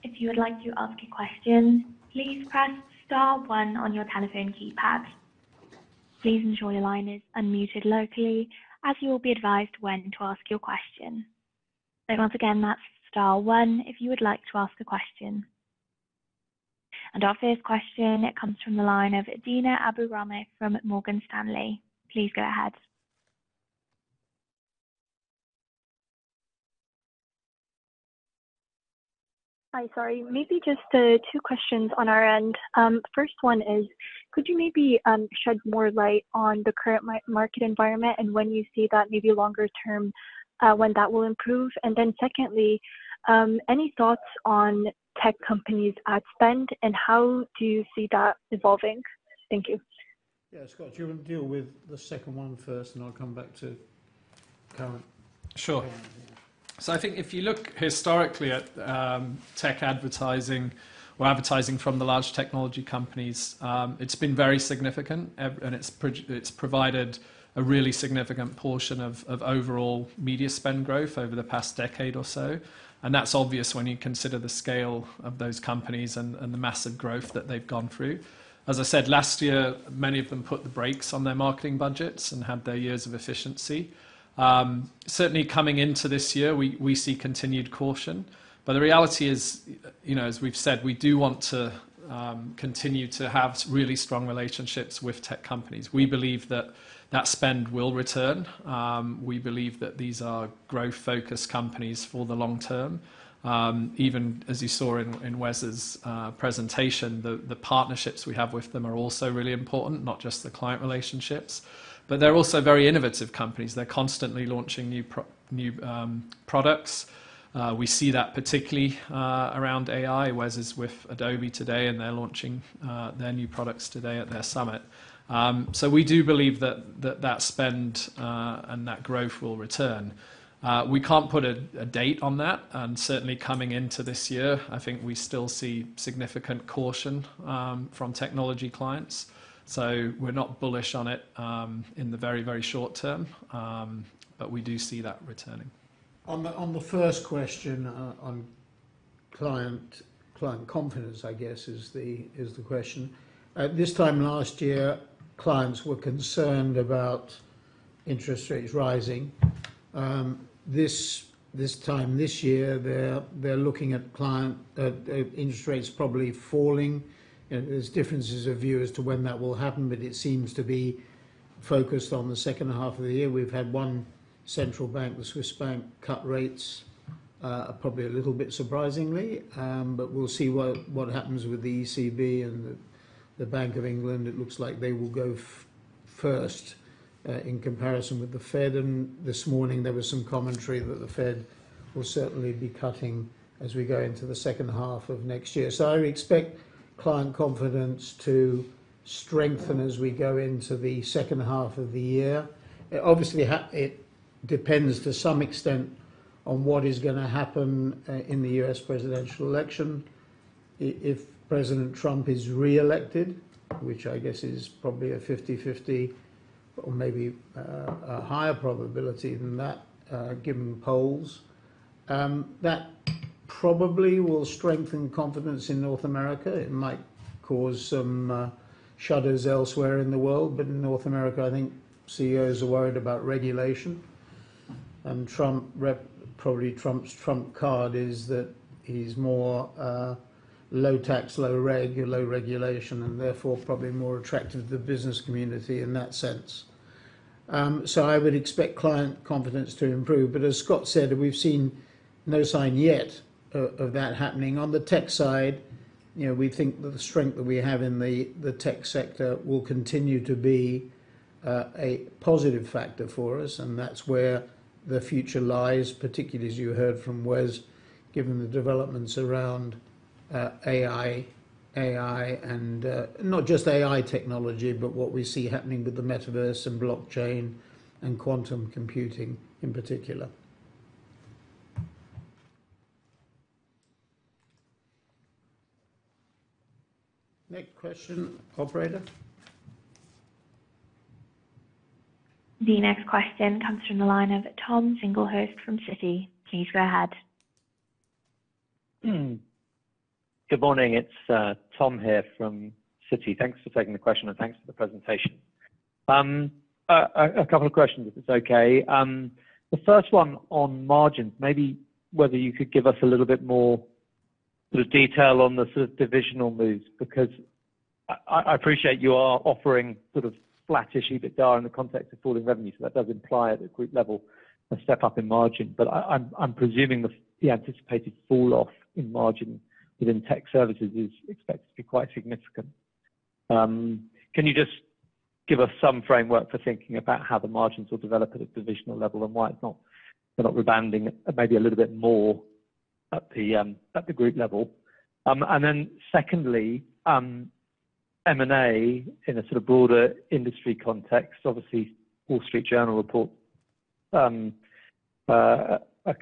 If you would like to ask a question, please press star 1 on your telephone keypad. Please ensure your line is unmuted locally, as you will be advised when to ask your question. Once again, that's star 1 if you would like to ask a question. Our first question comes from the line of Dina Abu-Rahmeh from Morgan Stanley. Please go ahead. Hi, sorry. Maybe just two questions on our end. First one is, could you maybe shed more light on the current market environment and when you see that maybe longer term, when that will improve? And then secondly, any thoughts on tech companies' ad spend? And how do you see that evolving? Thank you. Yeah, Scott, you want to deal with the second one first, and I'll come back to current. Sure. So I think if you look historically at tech advertising or advertising from the large technology companies, it's been very significant. It's provided a really significant portion of overall media spend growth over the past decade or so. That's obvious when you consider the scale of those companies and the massive growth that they've gone through. As I said, last year, many of them put the brakes on their marketing budgets and had their years of efficiency. Certainly, coming into this year, we see continued caution. The reality is, as we've said, we do want to continue to have really strong relationships with tech companies. We believe that that spend will return. We believe that these are growth-focused companies for the long term. Even as you saw in Wes's presentation, the partnerships we have with them are also really important, not just the client relationships. But they're also very innovative companies. They're constantly launching new products. We see that particularly around AI. Wes is with Adobe today. And they're launching their new products today at their summit. So we do believe that that spend and that growth will return. We can't put a date on that. And certainly, coming into this year, I think we still see significant caution from technology clients. So we're not bullish on it in the very, very short term. But we do see that returning. On the first question on client confidence, I guess, is the question. This time last year, clients were concerned about interest rates rising. This time this year, they're looking at interest rates probably falling. There's differences of view as to when that will happen. It seems to be focused on the second half of the year. We've had one central bank, the Swiss Bank, cut rates probably a little bit surprisingly. We'll see what happens with the ECB and the Bank of England. It looks like they will go first in comparison with the Fed. This morning, there was some commentary that the Fed will certainly be cutting as we go into the second half of next year. I expect client confidence to strengthen as we go into the second half of the year. Obviously, it depends to some extent on what is going to happen in the U.S. presidential election. If President Trump is reelected, which I guess is probably a 50/50 or maybe a higher probability than that given polls, that probably will strengthen confidence in North America. It might cause some shudders elsewhere in the world. But in North America, I think CEOs are worried about regulation. And probably Trump's Trump card is that he's more low tax, low reg, low regulation, and therefore probably more attractive to the business community in that sense. So I would expect client confidence to improve. But as Scott said, we've seen no sign yet of that happening. On the tech side, we think that the strength that we have in the tech sector will continue to be a positive factor for us. And that's where the future lies, particularly as you heard from Wes, given the developments around AI and not just AI technology but what we see happening with the metaverse and blockchain and quantum computing in particular. Next question, operator. The next question comes from the line of Tom Singlehurst from Citi. Please go ahead. Good morning. It's Tom here from Citi. Thanks for taking the question. Thanks for the presentation. A couple of questions, if it's okay. The first one on margins, maybe whether you could give us a little bit more sort of detail on the sort of divisional moves because I appreciate you are offering sort of flat-ish EBITDA in the context of falling revenue. So that does imply at the group level a step up in margin. But I'm presuming the anticipated fall-off in margin within tech services is expected to be quite significant. Can you just give us some framework for thinking about how the margins will develop at a divisional level and why they're not rebounding maybe a little bit more at the group level? And then secondly, M&A in a sort of broader industry context, obviously, Wall Street Journal report a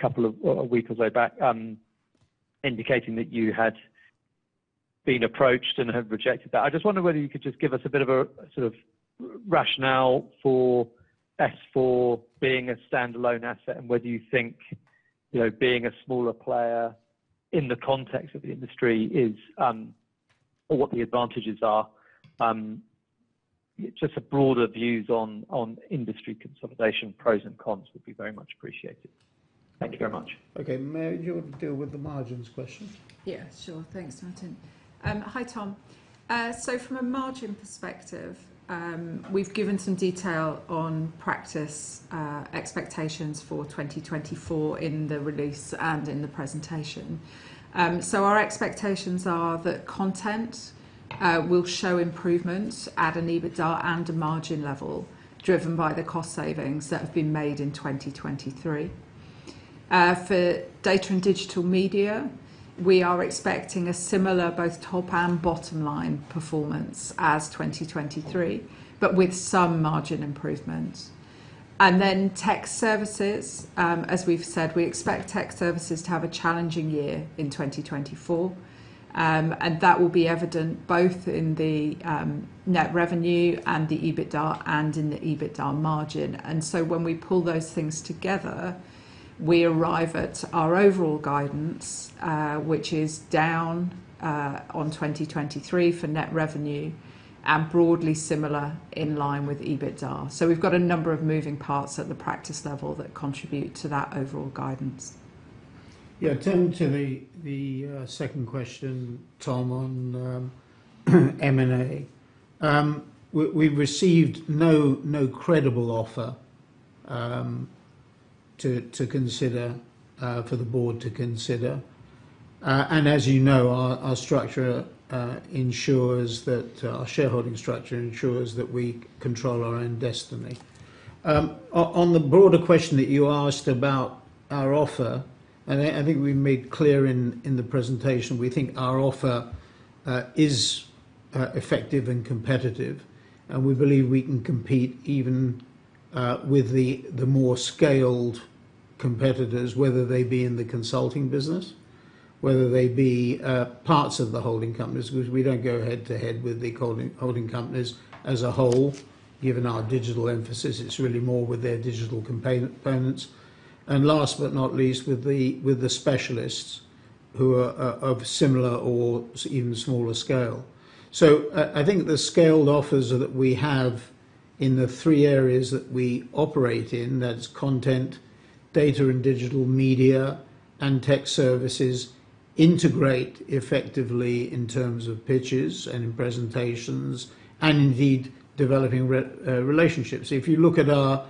couple of weeks or so back indicating that you had been approached and had rejected that. I just wonder whether you could just give us a bit of a sort of rationale for S4 being a standalone asset and whether you think being a smaller player in the context of the industry is or what the advantages are. Just the broader views on industry consolidation, pros and cons would be very much appreciated. Thank you very much. Okay. Mary, do you want to deal with the margins question? Yeah, sure. Thanks, Martin. Hi, Tom. So from a margin perspective, we've given some detail on practice expectations for 2024 in the release and in the presentation. So our expectations are that content will show improvements at an EBITDA and a margin level driven by the cost savings that have been made in 2023. For data and digital media, we are expecting a similar both top and bottom line performance as 2023 but with some margin improvements. And then tech services, as we've said, we expect tech services to have a challenging year in 2024. And that will be evident both in the net revenue and the EBITDA and in the EBITDA margin. And so when we pull those things together, we arrive at our overall guidance, which is down on 2023 for net revenue and broadly similar in line with EBITDA. So we've got a number of moving parts at the practice level that contribute to that overall guidance. Yeah, turn to the second question, Tom, on M&A. We've received no credible offer for the board to consider. And as you know, our structure ensures that our shareholding structure ensures that we control our own destiny. On the broader question that you asked about our offer, and I think we made clear in the presentation, we think our offer is effective and competitive. And we believe we can compete even with the more scaled competitors, whether they be in the consulting business, whether they be parts of the holding companies because we don't go head-to-head with the holding companies as a whole. Given our digital emphasis, it's really more with their digital components. And last but not least, with the specialists who are of similar or even smaller scale. I think the scaled offers that we have in the three areas that we operate in, that's content, data, and digital media, and tech services, integrate effectively in terms of pitches and in presentations and, indeed, developing relationships. If you look at our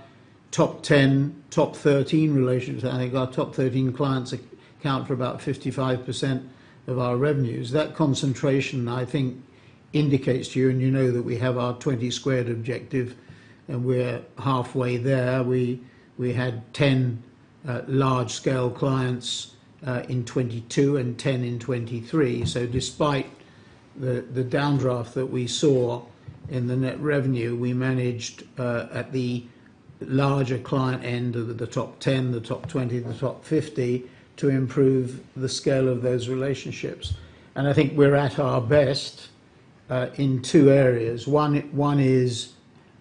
top 10, top 13 relationships, I think our top 13 clients account for about 55% of our revenues. That concentration, I think, indicates to you, and you know that we have our 20-squared objective, and we're halfway there. We had 10 large-scale clients in 2022 and 10 in 2023. Despite the downdraft that we saw in the net revenue, we managed at the larger client end of the top 10, the top 20, the top 50 to improve the scale of those relationships. I think we're at our best in two areas. One is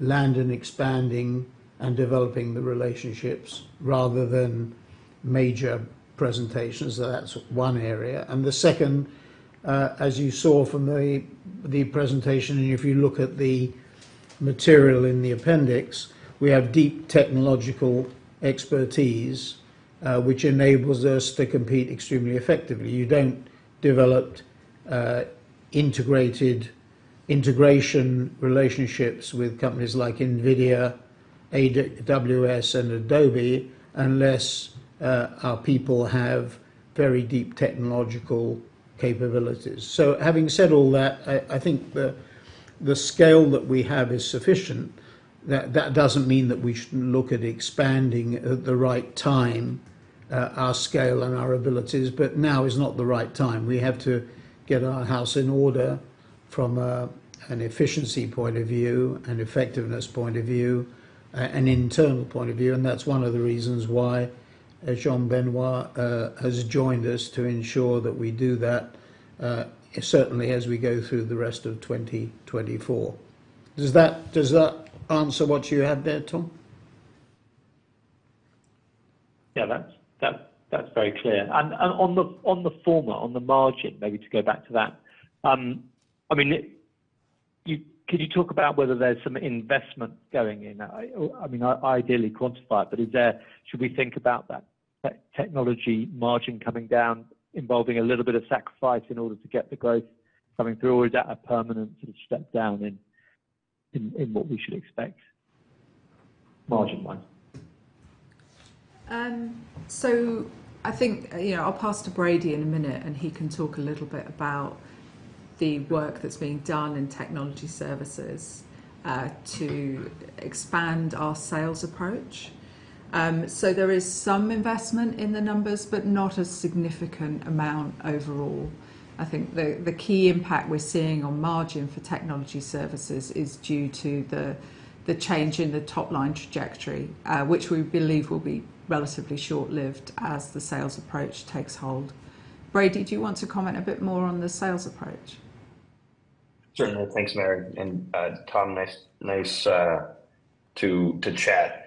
land and expanding and developing the relationships rather than major presentations. So that's one area. And the second, as you saw from the presentation, and if you look at the material in the appendix, we have deep technological expertise, which enables us to compete extremely effectively. You don't develop integrated integration relationships with companies like NVIDIA, AWS, and Adobe unless our people have very deep technological capabilities. So having said all that, I think the scale that we have is sufficient. That doesn't mean that we shouldn't look at expanding at the right time, our scale and our abilities. But now is not the right time. We have to get our house in order from an efficiency point of view, an effectiveness point of view, an internal point of view. That's one of the reasons why Jean-Benoit has joined us to ensure that we do that, certainly, as we go through the rest of 2024. Does that answer what you had there, Tom? Yeah, that's very clear. And on the former, on the margin, maybe to go back to that, I mean, could you talk about whether there's some investment going in? I mean, ideally quantified. But should we think about that technology margin coming down, involving a little bit of sacrifice in order to get the growth coming through, or is that a permanent sort of step down in what we should expect margin-wise? I think I'll pass to Brady in a minute. He can talk a little bit about the work that's being done in technology services to expand our sales approach. There is some investment in the numbers but not a significant amount overall. I think the key impact we're seeing on margin for technology services is due to the change in the top-line trajectory, which we believe will be relatively short-lived as the sales approach takes hold. Brady, do you want to comment a bit more on the sales approach? Certainly. Thanks, Mary. And Tom, nice to chat.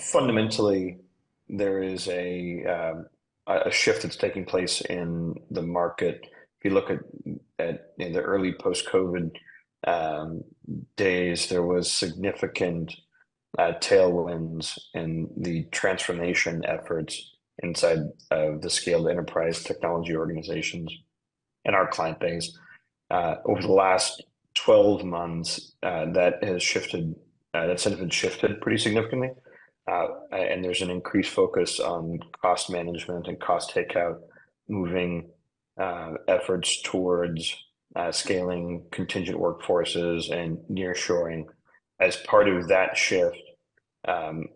Fundamentally, there is a shift that's taking place in the market. If you look at the early post-COVID days, there was significant tailwinds in the transformation efforts inside of the scaled enterprise technology organizations and our client base. Over the last 12 months, that has shifted that sentiment shifted pretty significantly. And there's an increased focus on cost management and cost takeout, moving efforts towards scaling contingent workforces and nearshoring. As part of that shift and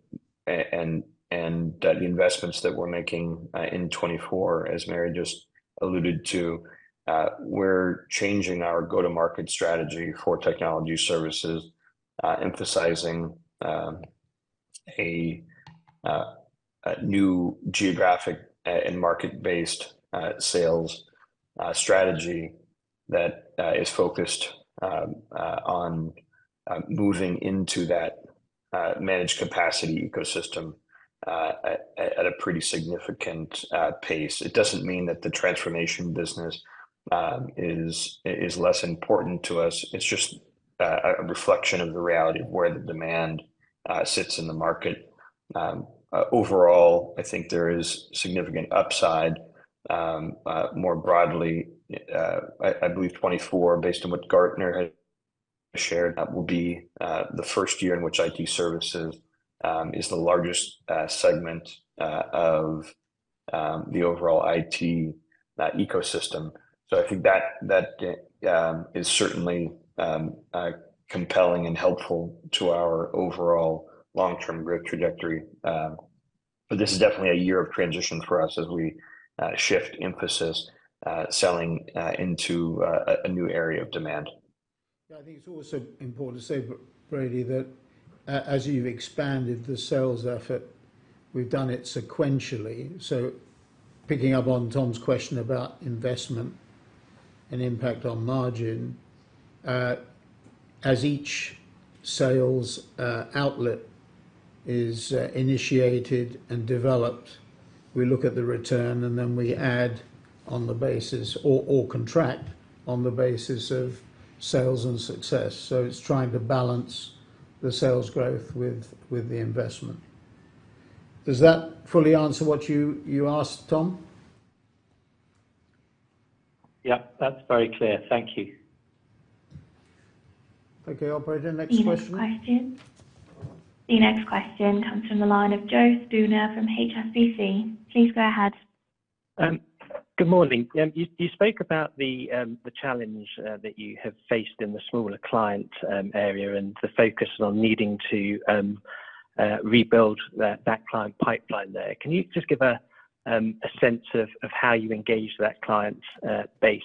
the investments that we're making in 2024, as Mary just alluded to, we're changing our go-to-market strategy for technology services, emphasizing a new geographic and market-based sales strategy that is focused on moving into that managed capacity ecosystem at a pretty significant pace. It doesn't mean that the transformation business is less important to us. It's just a reflection of the reality of where the demand sits in the market. Overall, I think there is significant upside. More broadly, I believe 2024, based on what Gartner has shared, will be the first year in which IT services is the largest segment of the overall IT ecosystem. So I think that is certainly compelling and helpful to our overall long-term growth trajectory. But this is definitely a year of transition for us as we shift emphasis selling into a new area of demand. Yeah, I think it's also important to say, Brady, that as you've expanded the sales effort, we've done it sequentially. So picking up on Tom's question about investment and impact on margin, as each sales outlet is initiated and developed, we look at the return. And then we add on the basis or contract on the basis of sales and success. So it's trying to balance the sales growth with the investment. Does that fully answer what you asked, Tom? Yep, that's very clear. Thank you. Okay, operator. Next question. The next question comes from the line of Joe Spooner from HSBC. Please go ahead. Good morning. You spoke about the challenge that you have faced in the smaller client area and the focus on needing to rebuild that client pipeline there. Can you just give a sense of how you engaged that client base?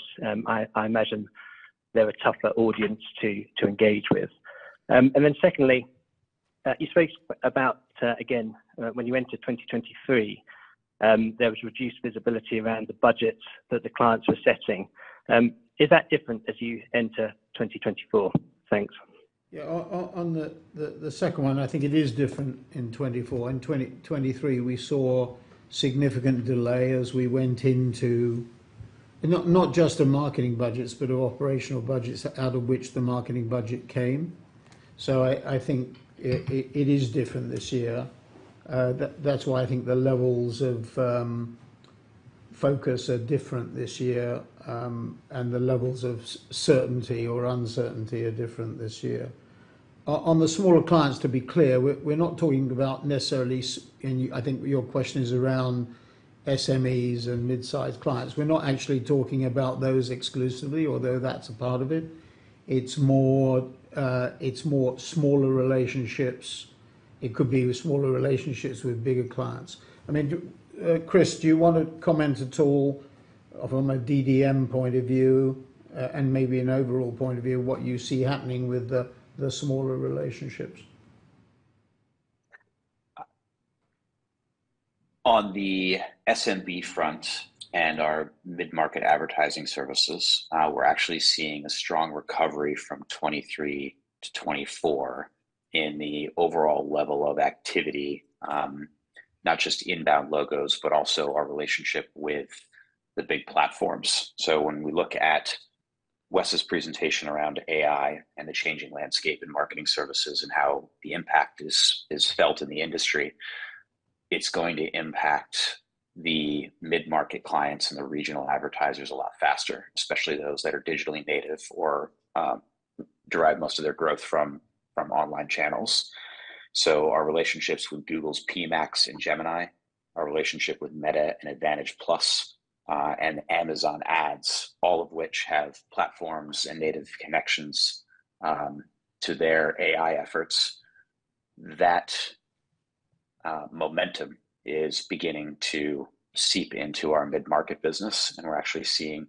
I imagine they're a tougher audience to engage with. And then secondly, you spoke about, again, when you entered 2023, there was reduced visibility around the budgets that the clients were setting. Is that different as you enter 2024? Thanks. Yeah, on the second one, I think it is different in 2024. In 2023, we saw significant delay as we went into not just the marketing budgets but operational budgets out of which the marketing budget came. So I think it is different this year. That's why I think the levels of focus are different this year. And the levels of certainty or uncertainty are different this year. On the smaller clients, to be clear, we're not talking about necessarily and I think your question is around SMEs and mid-sized clients. We're not actually talking about those exclusively, although that's a part of it. It's more smaller relationships. It could be smaller relationships with bigger clients. I mean, Chris, do you want to comment at all from a DDM point of view and maybe an overall point of view what you see happening with the smaller relationships? On the SMB front and our mid-market advertising services, we're actually seeing a strong recovery from 2023 to 2024 in the overall level of activity, not just inbound logos but also our relationship with the big platforms. So when we look at Wes's presentation around AI and the changing landscape in marketing services and how the impact is felt in the industry, it's going to impact the mid-market clients and the regional advertisers a lot faster, especially those that are digitally native or derive most of their growth from online channels. So our relationships with Google's PMax and Gemini, our relationship with Meta and Advantage+ and Amazon Ads, all of which have platforms and native connections to their AI efforts, that momentum is beginning to seep into our mid-market business. We're actually seeing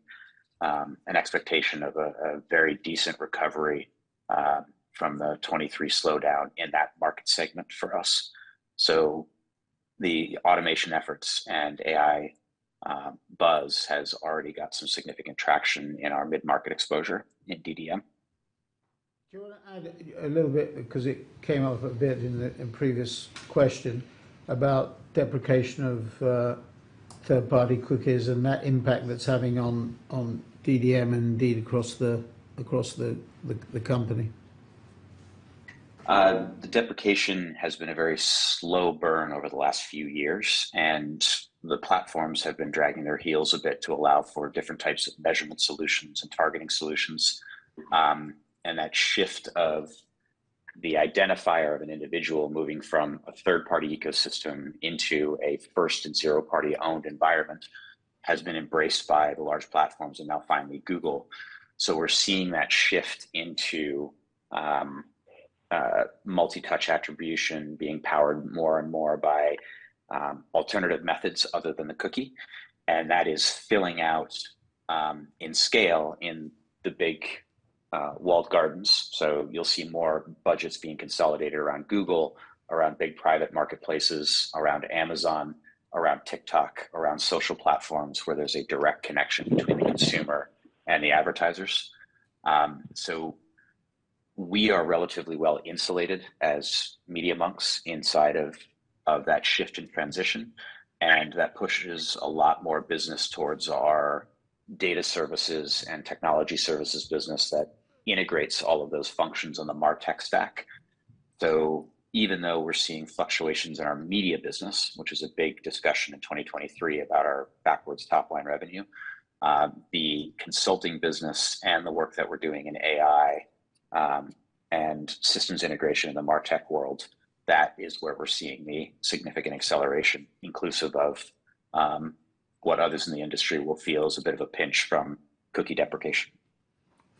an expectation of a very decent recovery from the 2023 slowdown in that market segment for us. The automation efforts and AI buzz has already got some significant traction in our mid-market exposure in DDM. Do you want to add a little bit because it came up a bit in the previous question about deprecation of third-party cookies and that impact that's having on DDM and indeed across the company? The deprecation has been a very slow burn over the last few years. And the platforms have been dragging their heels a bit to allow for different types of measurement solutions and targeting solutions. And that shift of the identifier of an individual moving from a third-party ecosystem into a first and zero-party-owned environment has been embraced by the large platforms and now finally Google. So we're seeing that shift into multi-touch attribution being powered more and more by alternative methods other than the cookie. And that is filling out in scale in the big walled gardens. So you'll see more budgets being consolidated around Google, around big private marketplaces, around Amazon, around TikTok, around social platforms where there's a direct connection between the consumer and the advertisers. So we are relatively well-insulated as Media.Monks inside of that shift and transition. That pushes a lot more business towards our data services and technology services business that integrates all of those functions on the MarTech stack. Even though we're seeing fluctuations in our media business, which is a big discussion in 2023 about our backwards top-line revenue, the consulting business and the work that we're doing in AI and systems integration in the MarTech world, that is where we're seeing the significant acceleration, inclusive of what others in the industry will feel as a bit of a pinch from cookie deprecation.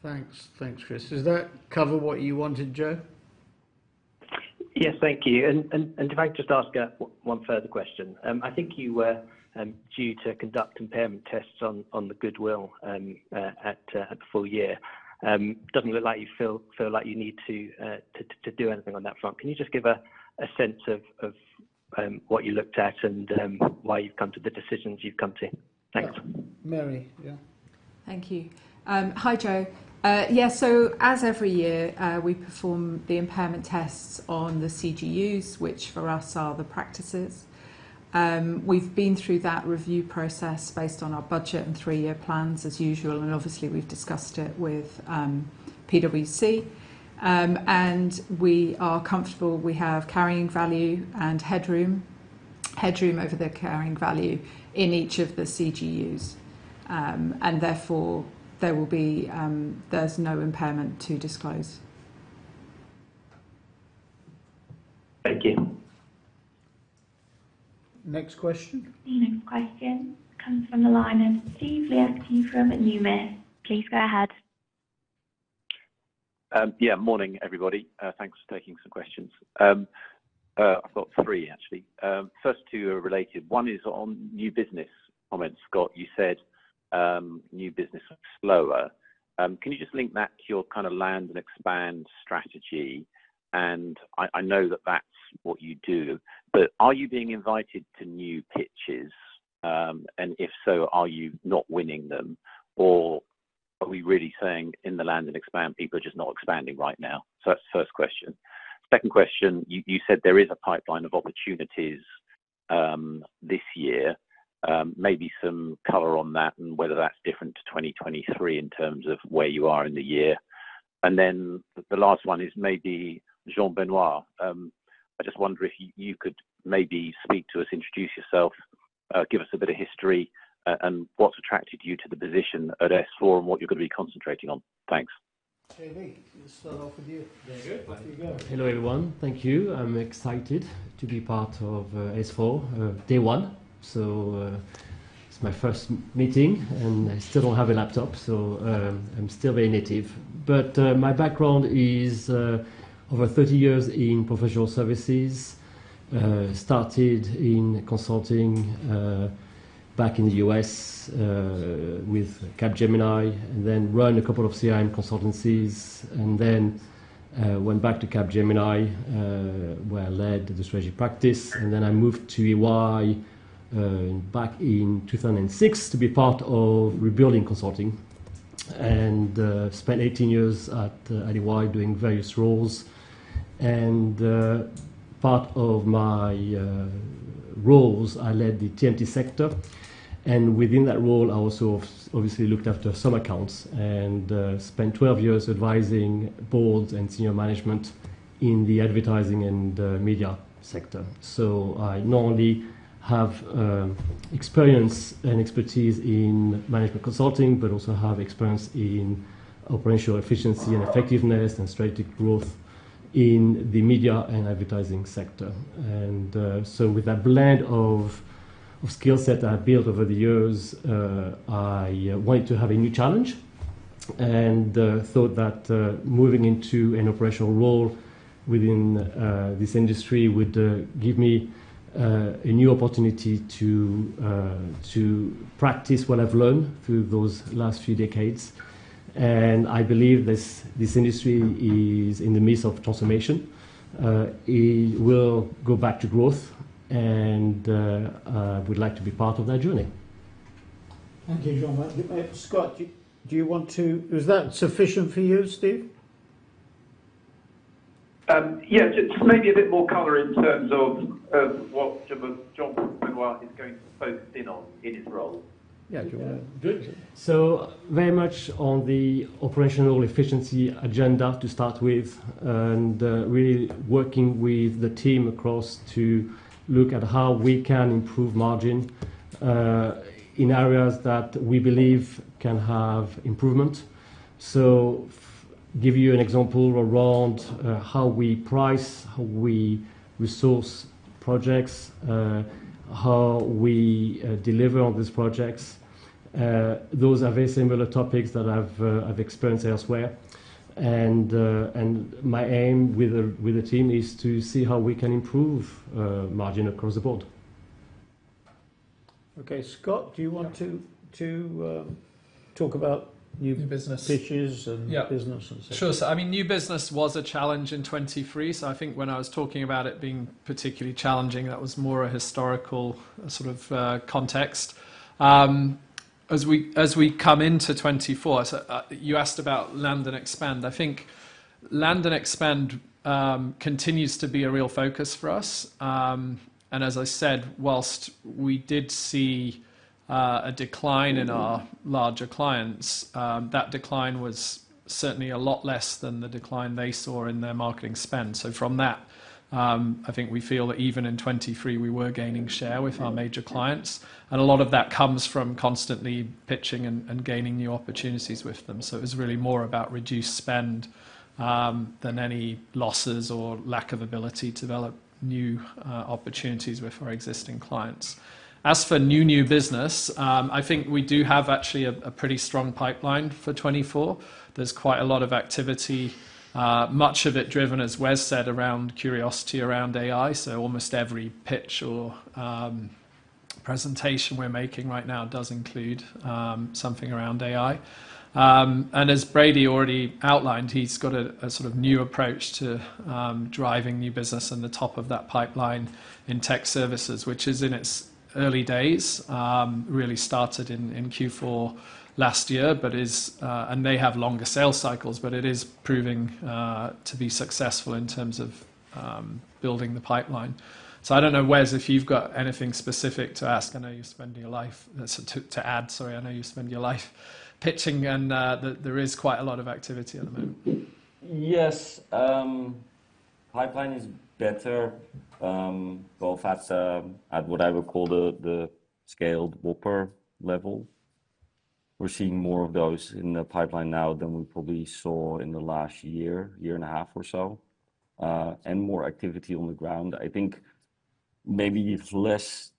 Thanks. Thanks, Chris. Does that cover what you wanted, Joe? Yes, thank you. If I could just ask one further question. I think you were due to conduct impairment tests on the goodwill at the full year. Doesn't look like you feel like you need to do anything on that front. Can you just give a sense of what you looked at and why you've come to the decisions you've come to? Thanks. Mary, yeah. Thank you. Hi, Joe. Yeah, so as every year, we perform the impairment tests on the CGUs, which for us are the practices. We've been through that review process based on our budget and three-year plans, as usual. And obviously, we've discussed it with PwC. And we are comfortable. We have carrying value and headroom over the carrying value in each of the CGUs. And therefore, there's no impairment to disclose. Thank you. Next question. Next question comes from the line of Steve Liechti from Numis. Please go ahead. Yeah, morning, everybody. Thanks for taking some questions. I've got three, actually. First two are related. One is on new business comments, Scott. You said new business slower. Can you just link that to your kind of land and expand strategy? And I know that that's what you do. But are you being invited to new pitches? And if so, are you not winning them? Or are we really saying in the land and expand, people are just not expanding right now? So that's the first question. Second question, you said there is a pipeline of opportunities this year. Maybe some color on that and whether that's different to 2023 in terms of where you are in the year. And then the last one is maybe Jean-Benoit. I just wonder if you could maybe speak to us, introduce yourself, give us a bit of history, and what's attracted you to the position at S4 and what you're going to be concentrating on. Thanks. JB, we'll start off with you. Very good. Off you go. Hello, everyone. Thank you. I'm excited to be part of S4 day one. So it's my first meeting. And I still don't have a laptop. So I'm still very native. But my background is over 30 years in professional services, started in consulting back in the U.S. with Capgemini, and then run a couple of CRM consultancies, and then went back to Capgemini, where I led the strategic practice. And then I moved to EY back in 2006 to be part of rebuilding consulting and spent 18 years at EY doing various roles. And part of my roles, I led the TMT sector. And within that role, I also obviously looked after some accounts and spent 12 years advising boards and senior management in the advertising and media sector. So I not only have experience and expertise in management consulting but also have experience in operational efficiency and effectiveness and strategic growth in the media and advertising sector. And so with that blend of skill set I built over the years, I wanted to have a new challenge and thought that moving into an operational role within this industry would give me a new opportunity to practice what I've learned through those last few decades. And I believe this industry is in the midst of transformation. It will go back to growth. And I would like to be part of that journey. Thank you, Jean-Benoit. Scott, is that sufficient for you, Steve? Yeah, just maybe a bit more color in terms of what Jean-Benoit is going to focus in on in his role. Yeah, good. So, very much on the operational efficiency agenda to start with and really working with the team across to look at how we can improve margin in areas that we believe can have improvement. So, give you an example around how we price, how we resource projects, how we deliver on these projects. Those are very similar topics that I've experienced elsewhere. My aim with the team is to see how we can improve margin across the board. Okay, Scott, do you want to talk about new? New business. Pitches. Yeah. Business and such. Sure. So I mean, new business was a challenge in 2023. So I think when I was talking about it being particularly challenging, that was more a historical sort of context. As we come into 2024, you asked about land and expand. I think land and expand continues to be a real focus for us. And as I said, while we did see a decline in our larger clients, that decline was certainly a lot less than the decline they saw in their marketing spend. So from that, I think we feel that even in 2023, we were gaining share with our major clients. And a lot of that comes from constantly pitching and gaining new opportunities with them. So it was really more about reduced spend than any losses or lack of ability to develop new opportunities with our existing clients. As for new, new business, I think we do have actually a pretty strong pipeline for 2024. There's quite a lot of activity, much of it driven, as Wes said, around curiosity around AI. So almost every pitch or presentation we're making right now does include something around AI. And as Brady already outlined, he's got a sort of new approach to driving new business and the top of that pipeline in tech services, which is in its early days, really started in Q4 last year, and they have longer sales cycles. But it is proving to be successful in terms of building the pipeline. So I don't know, Wes, if you've got anything specific to ask. I know you're spending your life at Adobe. Sorry. I know you're spending your life pitching. And there is quite a lot of activity at the moment. Yes. Pipeline is better. Both at what I would call the scaled Whopper level, we're seeing more of those in the pipeline now than we probably saw in the last year, year and a half or so, and more activity on the ground. I think maybe it's less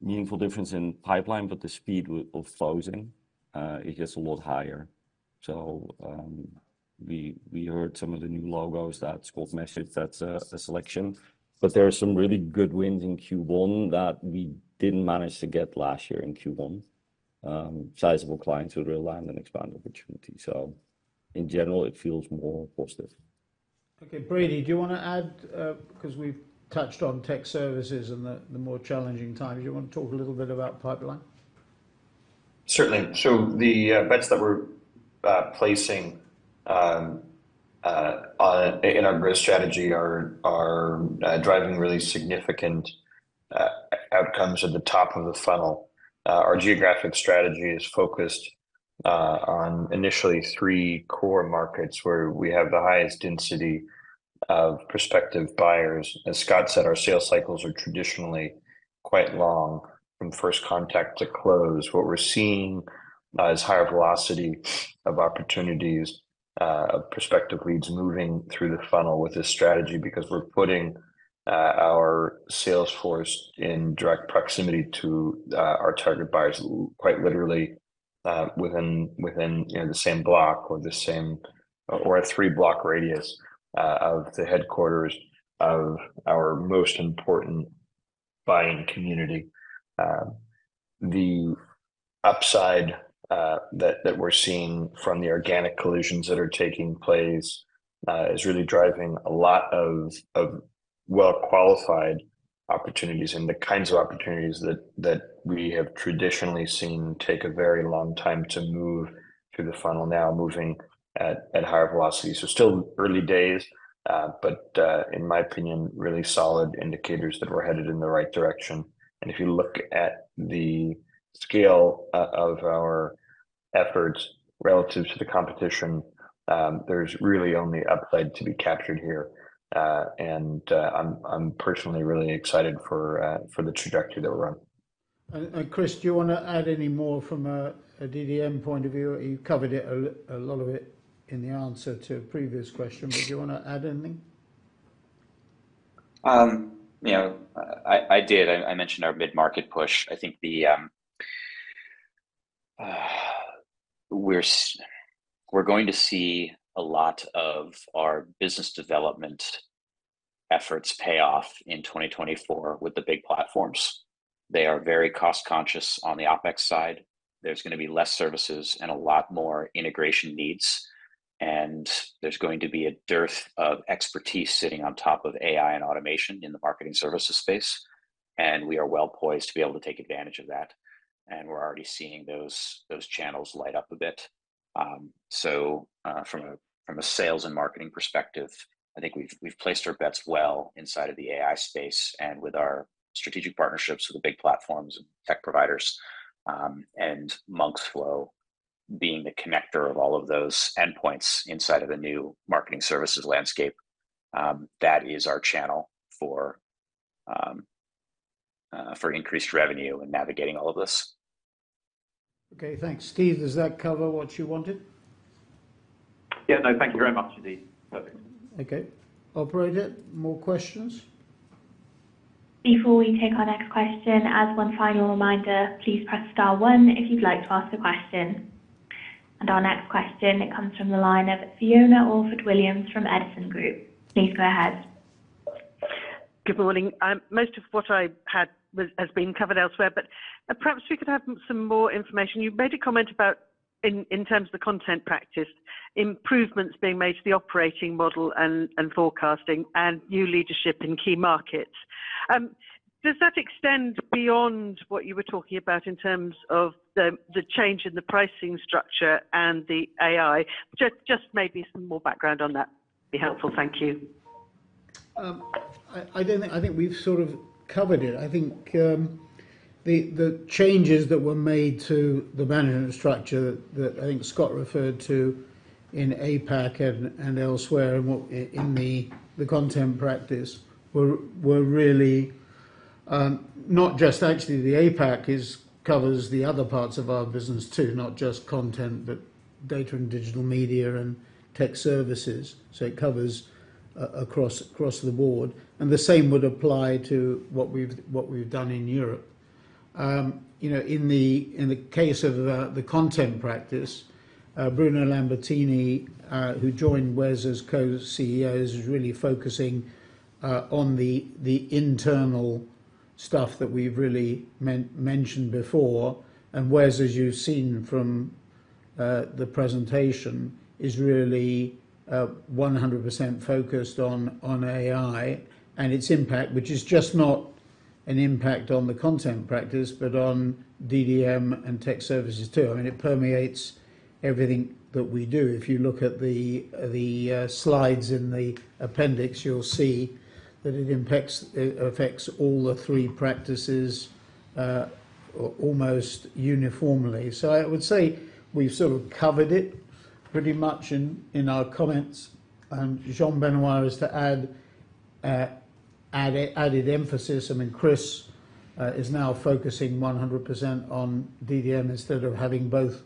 meaningful difference in pipeline, but the speed of closing is just a lot higher. So we heard some of the new logos that Scott messaged that's a selection. But there are some really good wins in Q1 that we didn't manage to get last year in Q1, sizable clients with real land and expand opportunities. So in general, it feels more positive. Okay, Brady, do you want to add because we've touched on tech services and the more challenging times? Do you want to talk a little bit about pipeline? Certainly. So the bets that we're placing in our growth strategy are driving really significant outcomes at the top of the funnel. Our geographic strategy is focused on initially three core markets where we have the highest density of prospective buyers. As Scott said, our sales cycles are traditionally quite long from first contact to close. What we're seeing is higher velocity of opportunities of prospective leads moving through the funnel with this strategy because we're putting our sales force in direct proximity to our target buyers, quite literally within the same block or a three-block radius of the headquarters of our most important buying community. The upside that we're seeing from the organic collisions that are taking place is really driving a lot of well-qualified opportunities and the kinds of opportunities that we have traditionally seen take a very long time to move through the funnel now, moving at higher velocities. So still early days, but in my opinion, really solid indicators that we're headed in the right direction. And if you look at the scale of our efforts relative to the competition, there's really only upside to be captured here. And I'm personally really excited for the trajectory that we're on. Chris, do you want to add any more from a DDM point of view? You covered a lot of it in the answer to a previous question. Do you want to add anything? Yeah, I did. I mentioned our mid-market push. I think we're going to see a lot of our business development efforts pay off in 2024 with the big platforms. They are very cost-conscious on the OpEx side. There's going to be less services and a lot more integration needs. There's going to be a dearth of expertise sitting on top of AI and automation in the marketing services space. We are well-poised to be able to take advantage of that. We're already seeing those channels light up a bit. From a sales and marketing perspective, I think we've placed our bets well inside of the AI space and with our strategic partnerships with the big platforms and tech providers. Monks.Flow being the connector of all of those endpoints inside of the new marketing services landscape, that is our channel for increased revenue in navigating all of this. Okay, thanks. Steve, does that cover what you wanted? Yeah, no, thank you very much, indeed. Perfect. Okay. Operator, more questions? Before we take our next question, as one final reminder, please press star one if you'd like to ask a question. Our next question, it comes from the line of Fiona Orford-Williams from Edison Group. Please go ahead. Good morning. Most of what I had has been covered elsewhere. But perhaps we could have some more information. You made a comment about, in terms of the content practice, improvements being made to the operating model and forecasting and new leadership in key markets. Does that extend beyond what you were talking about in terms of the change in the pricing structure and the AI? Just maybe some more background on that would be helpful. Thank you. I think we've sort of covered it. I think the changes that were made to the management structure that I think Scott referred to in APAC and elsewhere in the content practice were really not just actually, the APAC covers the other parts of our business too, not just content, but data and digital media and tech services. So it covers across the board. And the same would apply to what we've done in Europe. In the case of the content practice, Bruno Lambertini, who joined Wes as co-CEO, is really focusing on the internal stuff that we've really mentioned before. And Wes, as you've seen from the presentation, is really 100% focused on AI and its impact, which is just not an impact on the content practice but on DDM and tech services too. I mean, it permeates everything that we do. If you look at the slides in the appendix, you'll see that it affects all the three practices almost uniformly. So I would say we've sort of covered it pretty much in our comments. And Jean-Benoit was to add emphasis. I mean, Chris is now focusing 100% on DDM instead of having both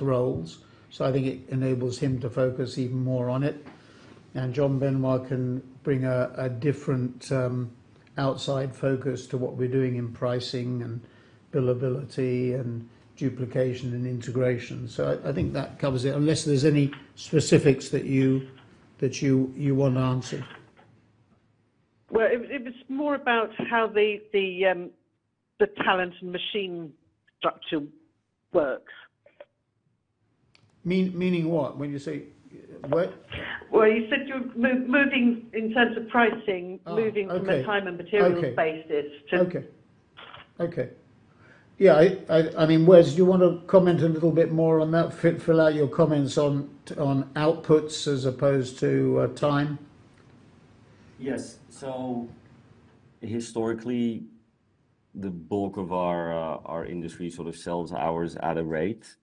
roles. So I think it enables him to focus even more on it. And Jean-Benoit can bring a different outside focus to what we're doing in pricing and billability and duplication and integration. So I think that covers it unless there's any specifics that you want answered. Well, it was more about how the Talent and Machine structure works. Meaning what when you say work? Well, you said moving in terms of pricing, moving from a Time and Material basis to. Okay. Okay. Yeah. I mean, Wes, do you want to comment a little bit more on that, fill out your comments on outputs as opposed to time? Yes. So historically, the bulk of our industry sort of sells hours at a rate.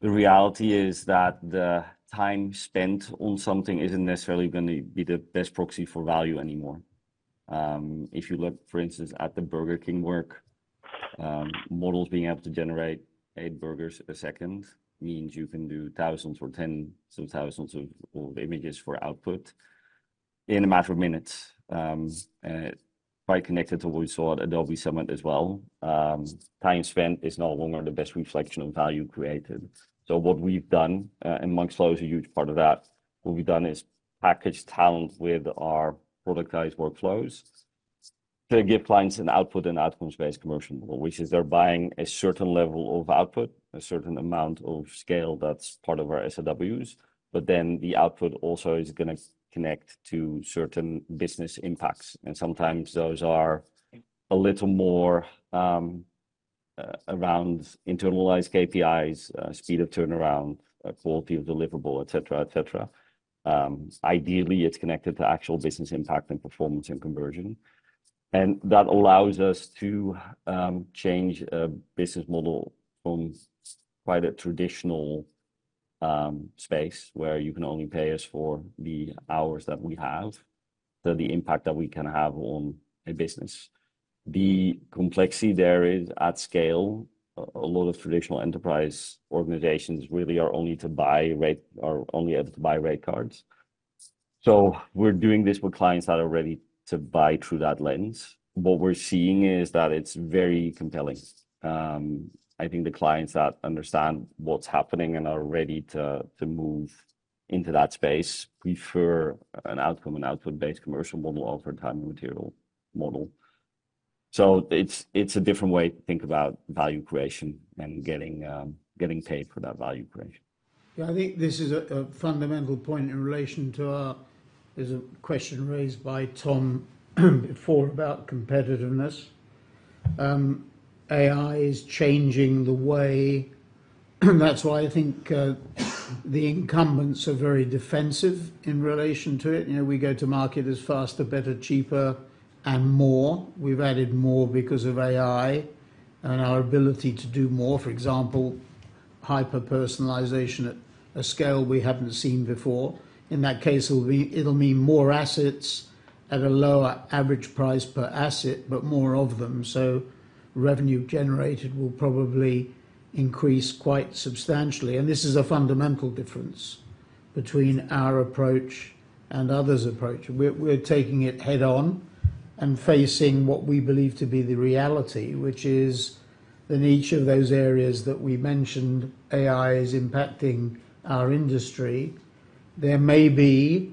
The reality is that the time spent on something isn't necessarily going to be the best proxy for value anymore. If you look, for instance, at the Burger King work, models being able to generate eight burgers a second means you can do thousands or tens of thousands of images for output in a matter of minutes. Quite connected to what we saw at Adobe Summit as well, time spent is no longer the best reflection of value created. So what we've done, and Monks.Flow is a huge part of that, what we've done is package talent with our productized workflows to give clients an output and outcomes-based commercial model, which is they're buying a certain level of output, a certain amount of scale that's part of our SAWs. But then the output also is going to connect to certain business impacts. Sometimes those are a little more around internalized KPIs, speed of turnaround, quality of deliverable, etc., etc. Ideally, it's connected to actual business impact and performance and conversion. That allows us to change a business model from quite a traditional space where you can only pay us for the hours that we have, so the impact that we can have on a business. The complexity there is at scale, a lot of traditional enterprise organizations really are only able to buy rate cards. So we're doing this with clients that are ready to buy through that lens. What we're seeing is that it's very compelling. I think the clients that understand what's happening and are ready to move into that space prefer an outcome and output-based commercial model over a time and material model. So it's a different way to think about value creation and getting paid for that value creation. Yeah, I think this is a fundamental point in relation to, there's a question raised by Tom before about competitiveness. AI is changing the way. And that's why I think the incumbents are very defensive in relation to it. We go to market as faster, better, cheaper, and more. We've added more because of AI and our ability to do more, for example, hyper-personalization at a scale we haven't seen before. In that case, it'll mean more assets at a lower average price per asset, but more of them. So revenue generated will probably increase quite substantially. And this is a fundamental difference between our approach and others' approach. We're taking it head-on and facing what we believe to be the reality, which is that in each of those areas that we mentioned, AI is impacting our industry. There may be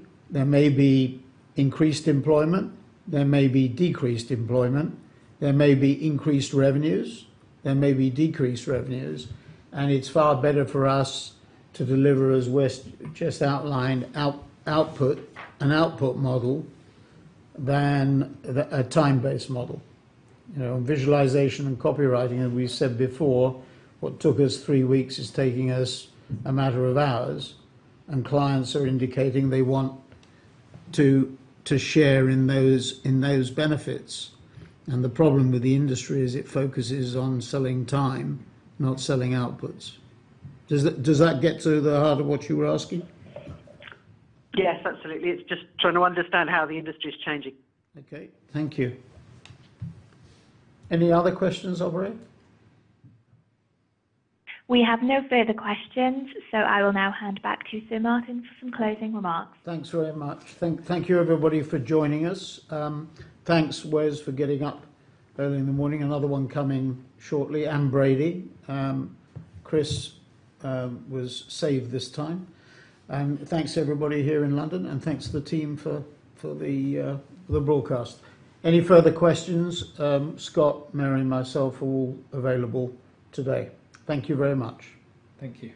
increased employment. There may be decreased employment. There may be increased revenues. There may be decreased revenues. It's far better for us to deliver, as Wes just outlined, an output model than a time-based model. On visualization and copywriting, as we've said before, what took us three weeks is taking us a matter of hours. Clients are indicating they want to share in those benefits. The problem with the industry is it focuses on selling time, not selling outputs. Does that get to the heart of what you were asking? Yes, absolutely. It's just trying to understand how the industry is changing. Okay. Thank you. Any other questions, Operator? We have no further questions. I will now hand back to Sir Martin for some closing remarks. Thanks very much. Thank you, everybody, for joining us. Thanks, Wes, for getting up early in the morning. Another one coming shortly. And Brady, Chris was saved this time. And thanks, everybody here in London. And thanks to the team for the broadcast. Any further questions? Scott, Mary, and myself are all available today. Thank you very much. Thank you.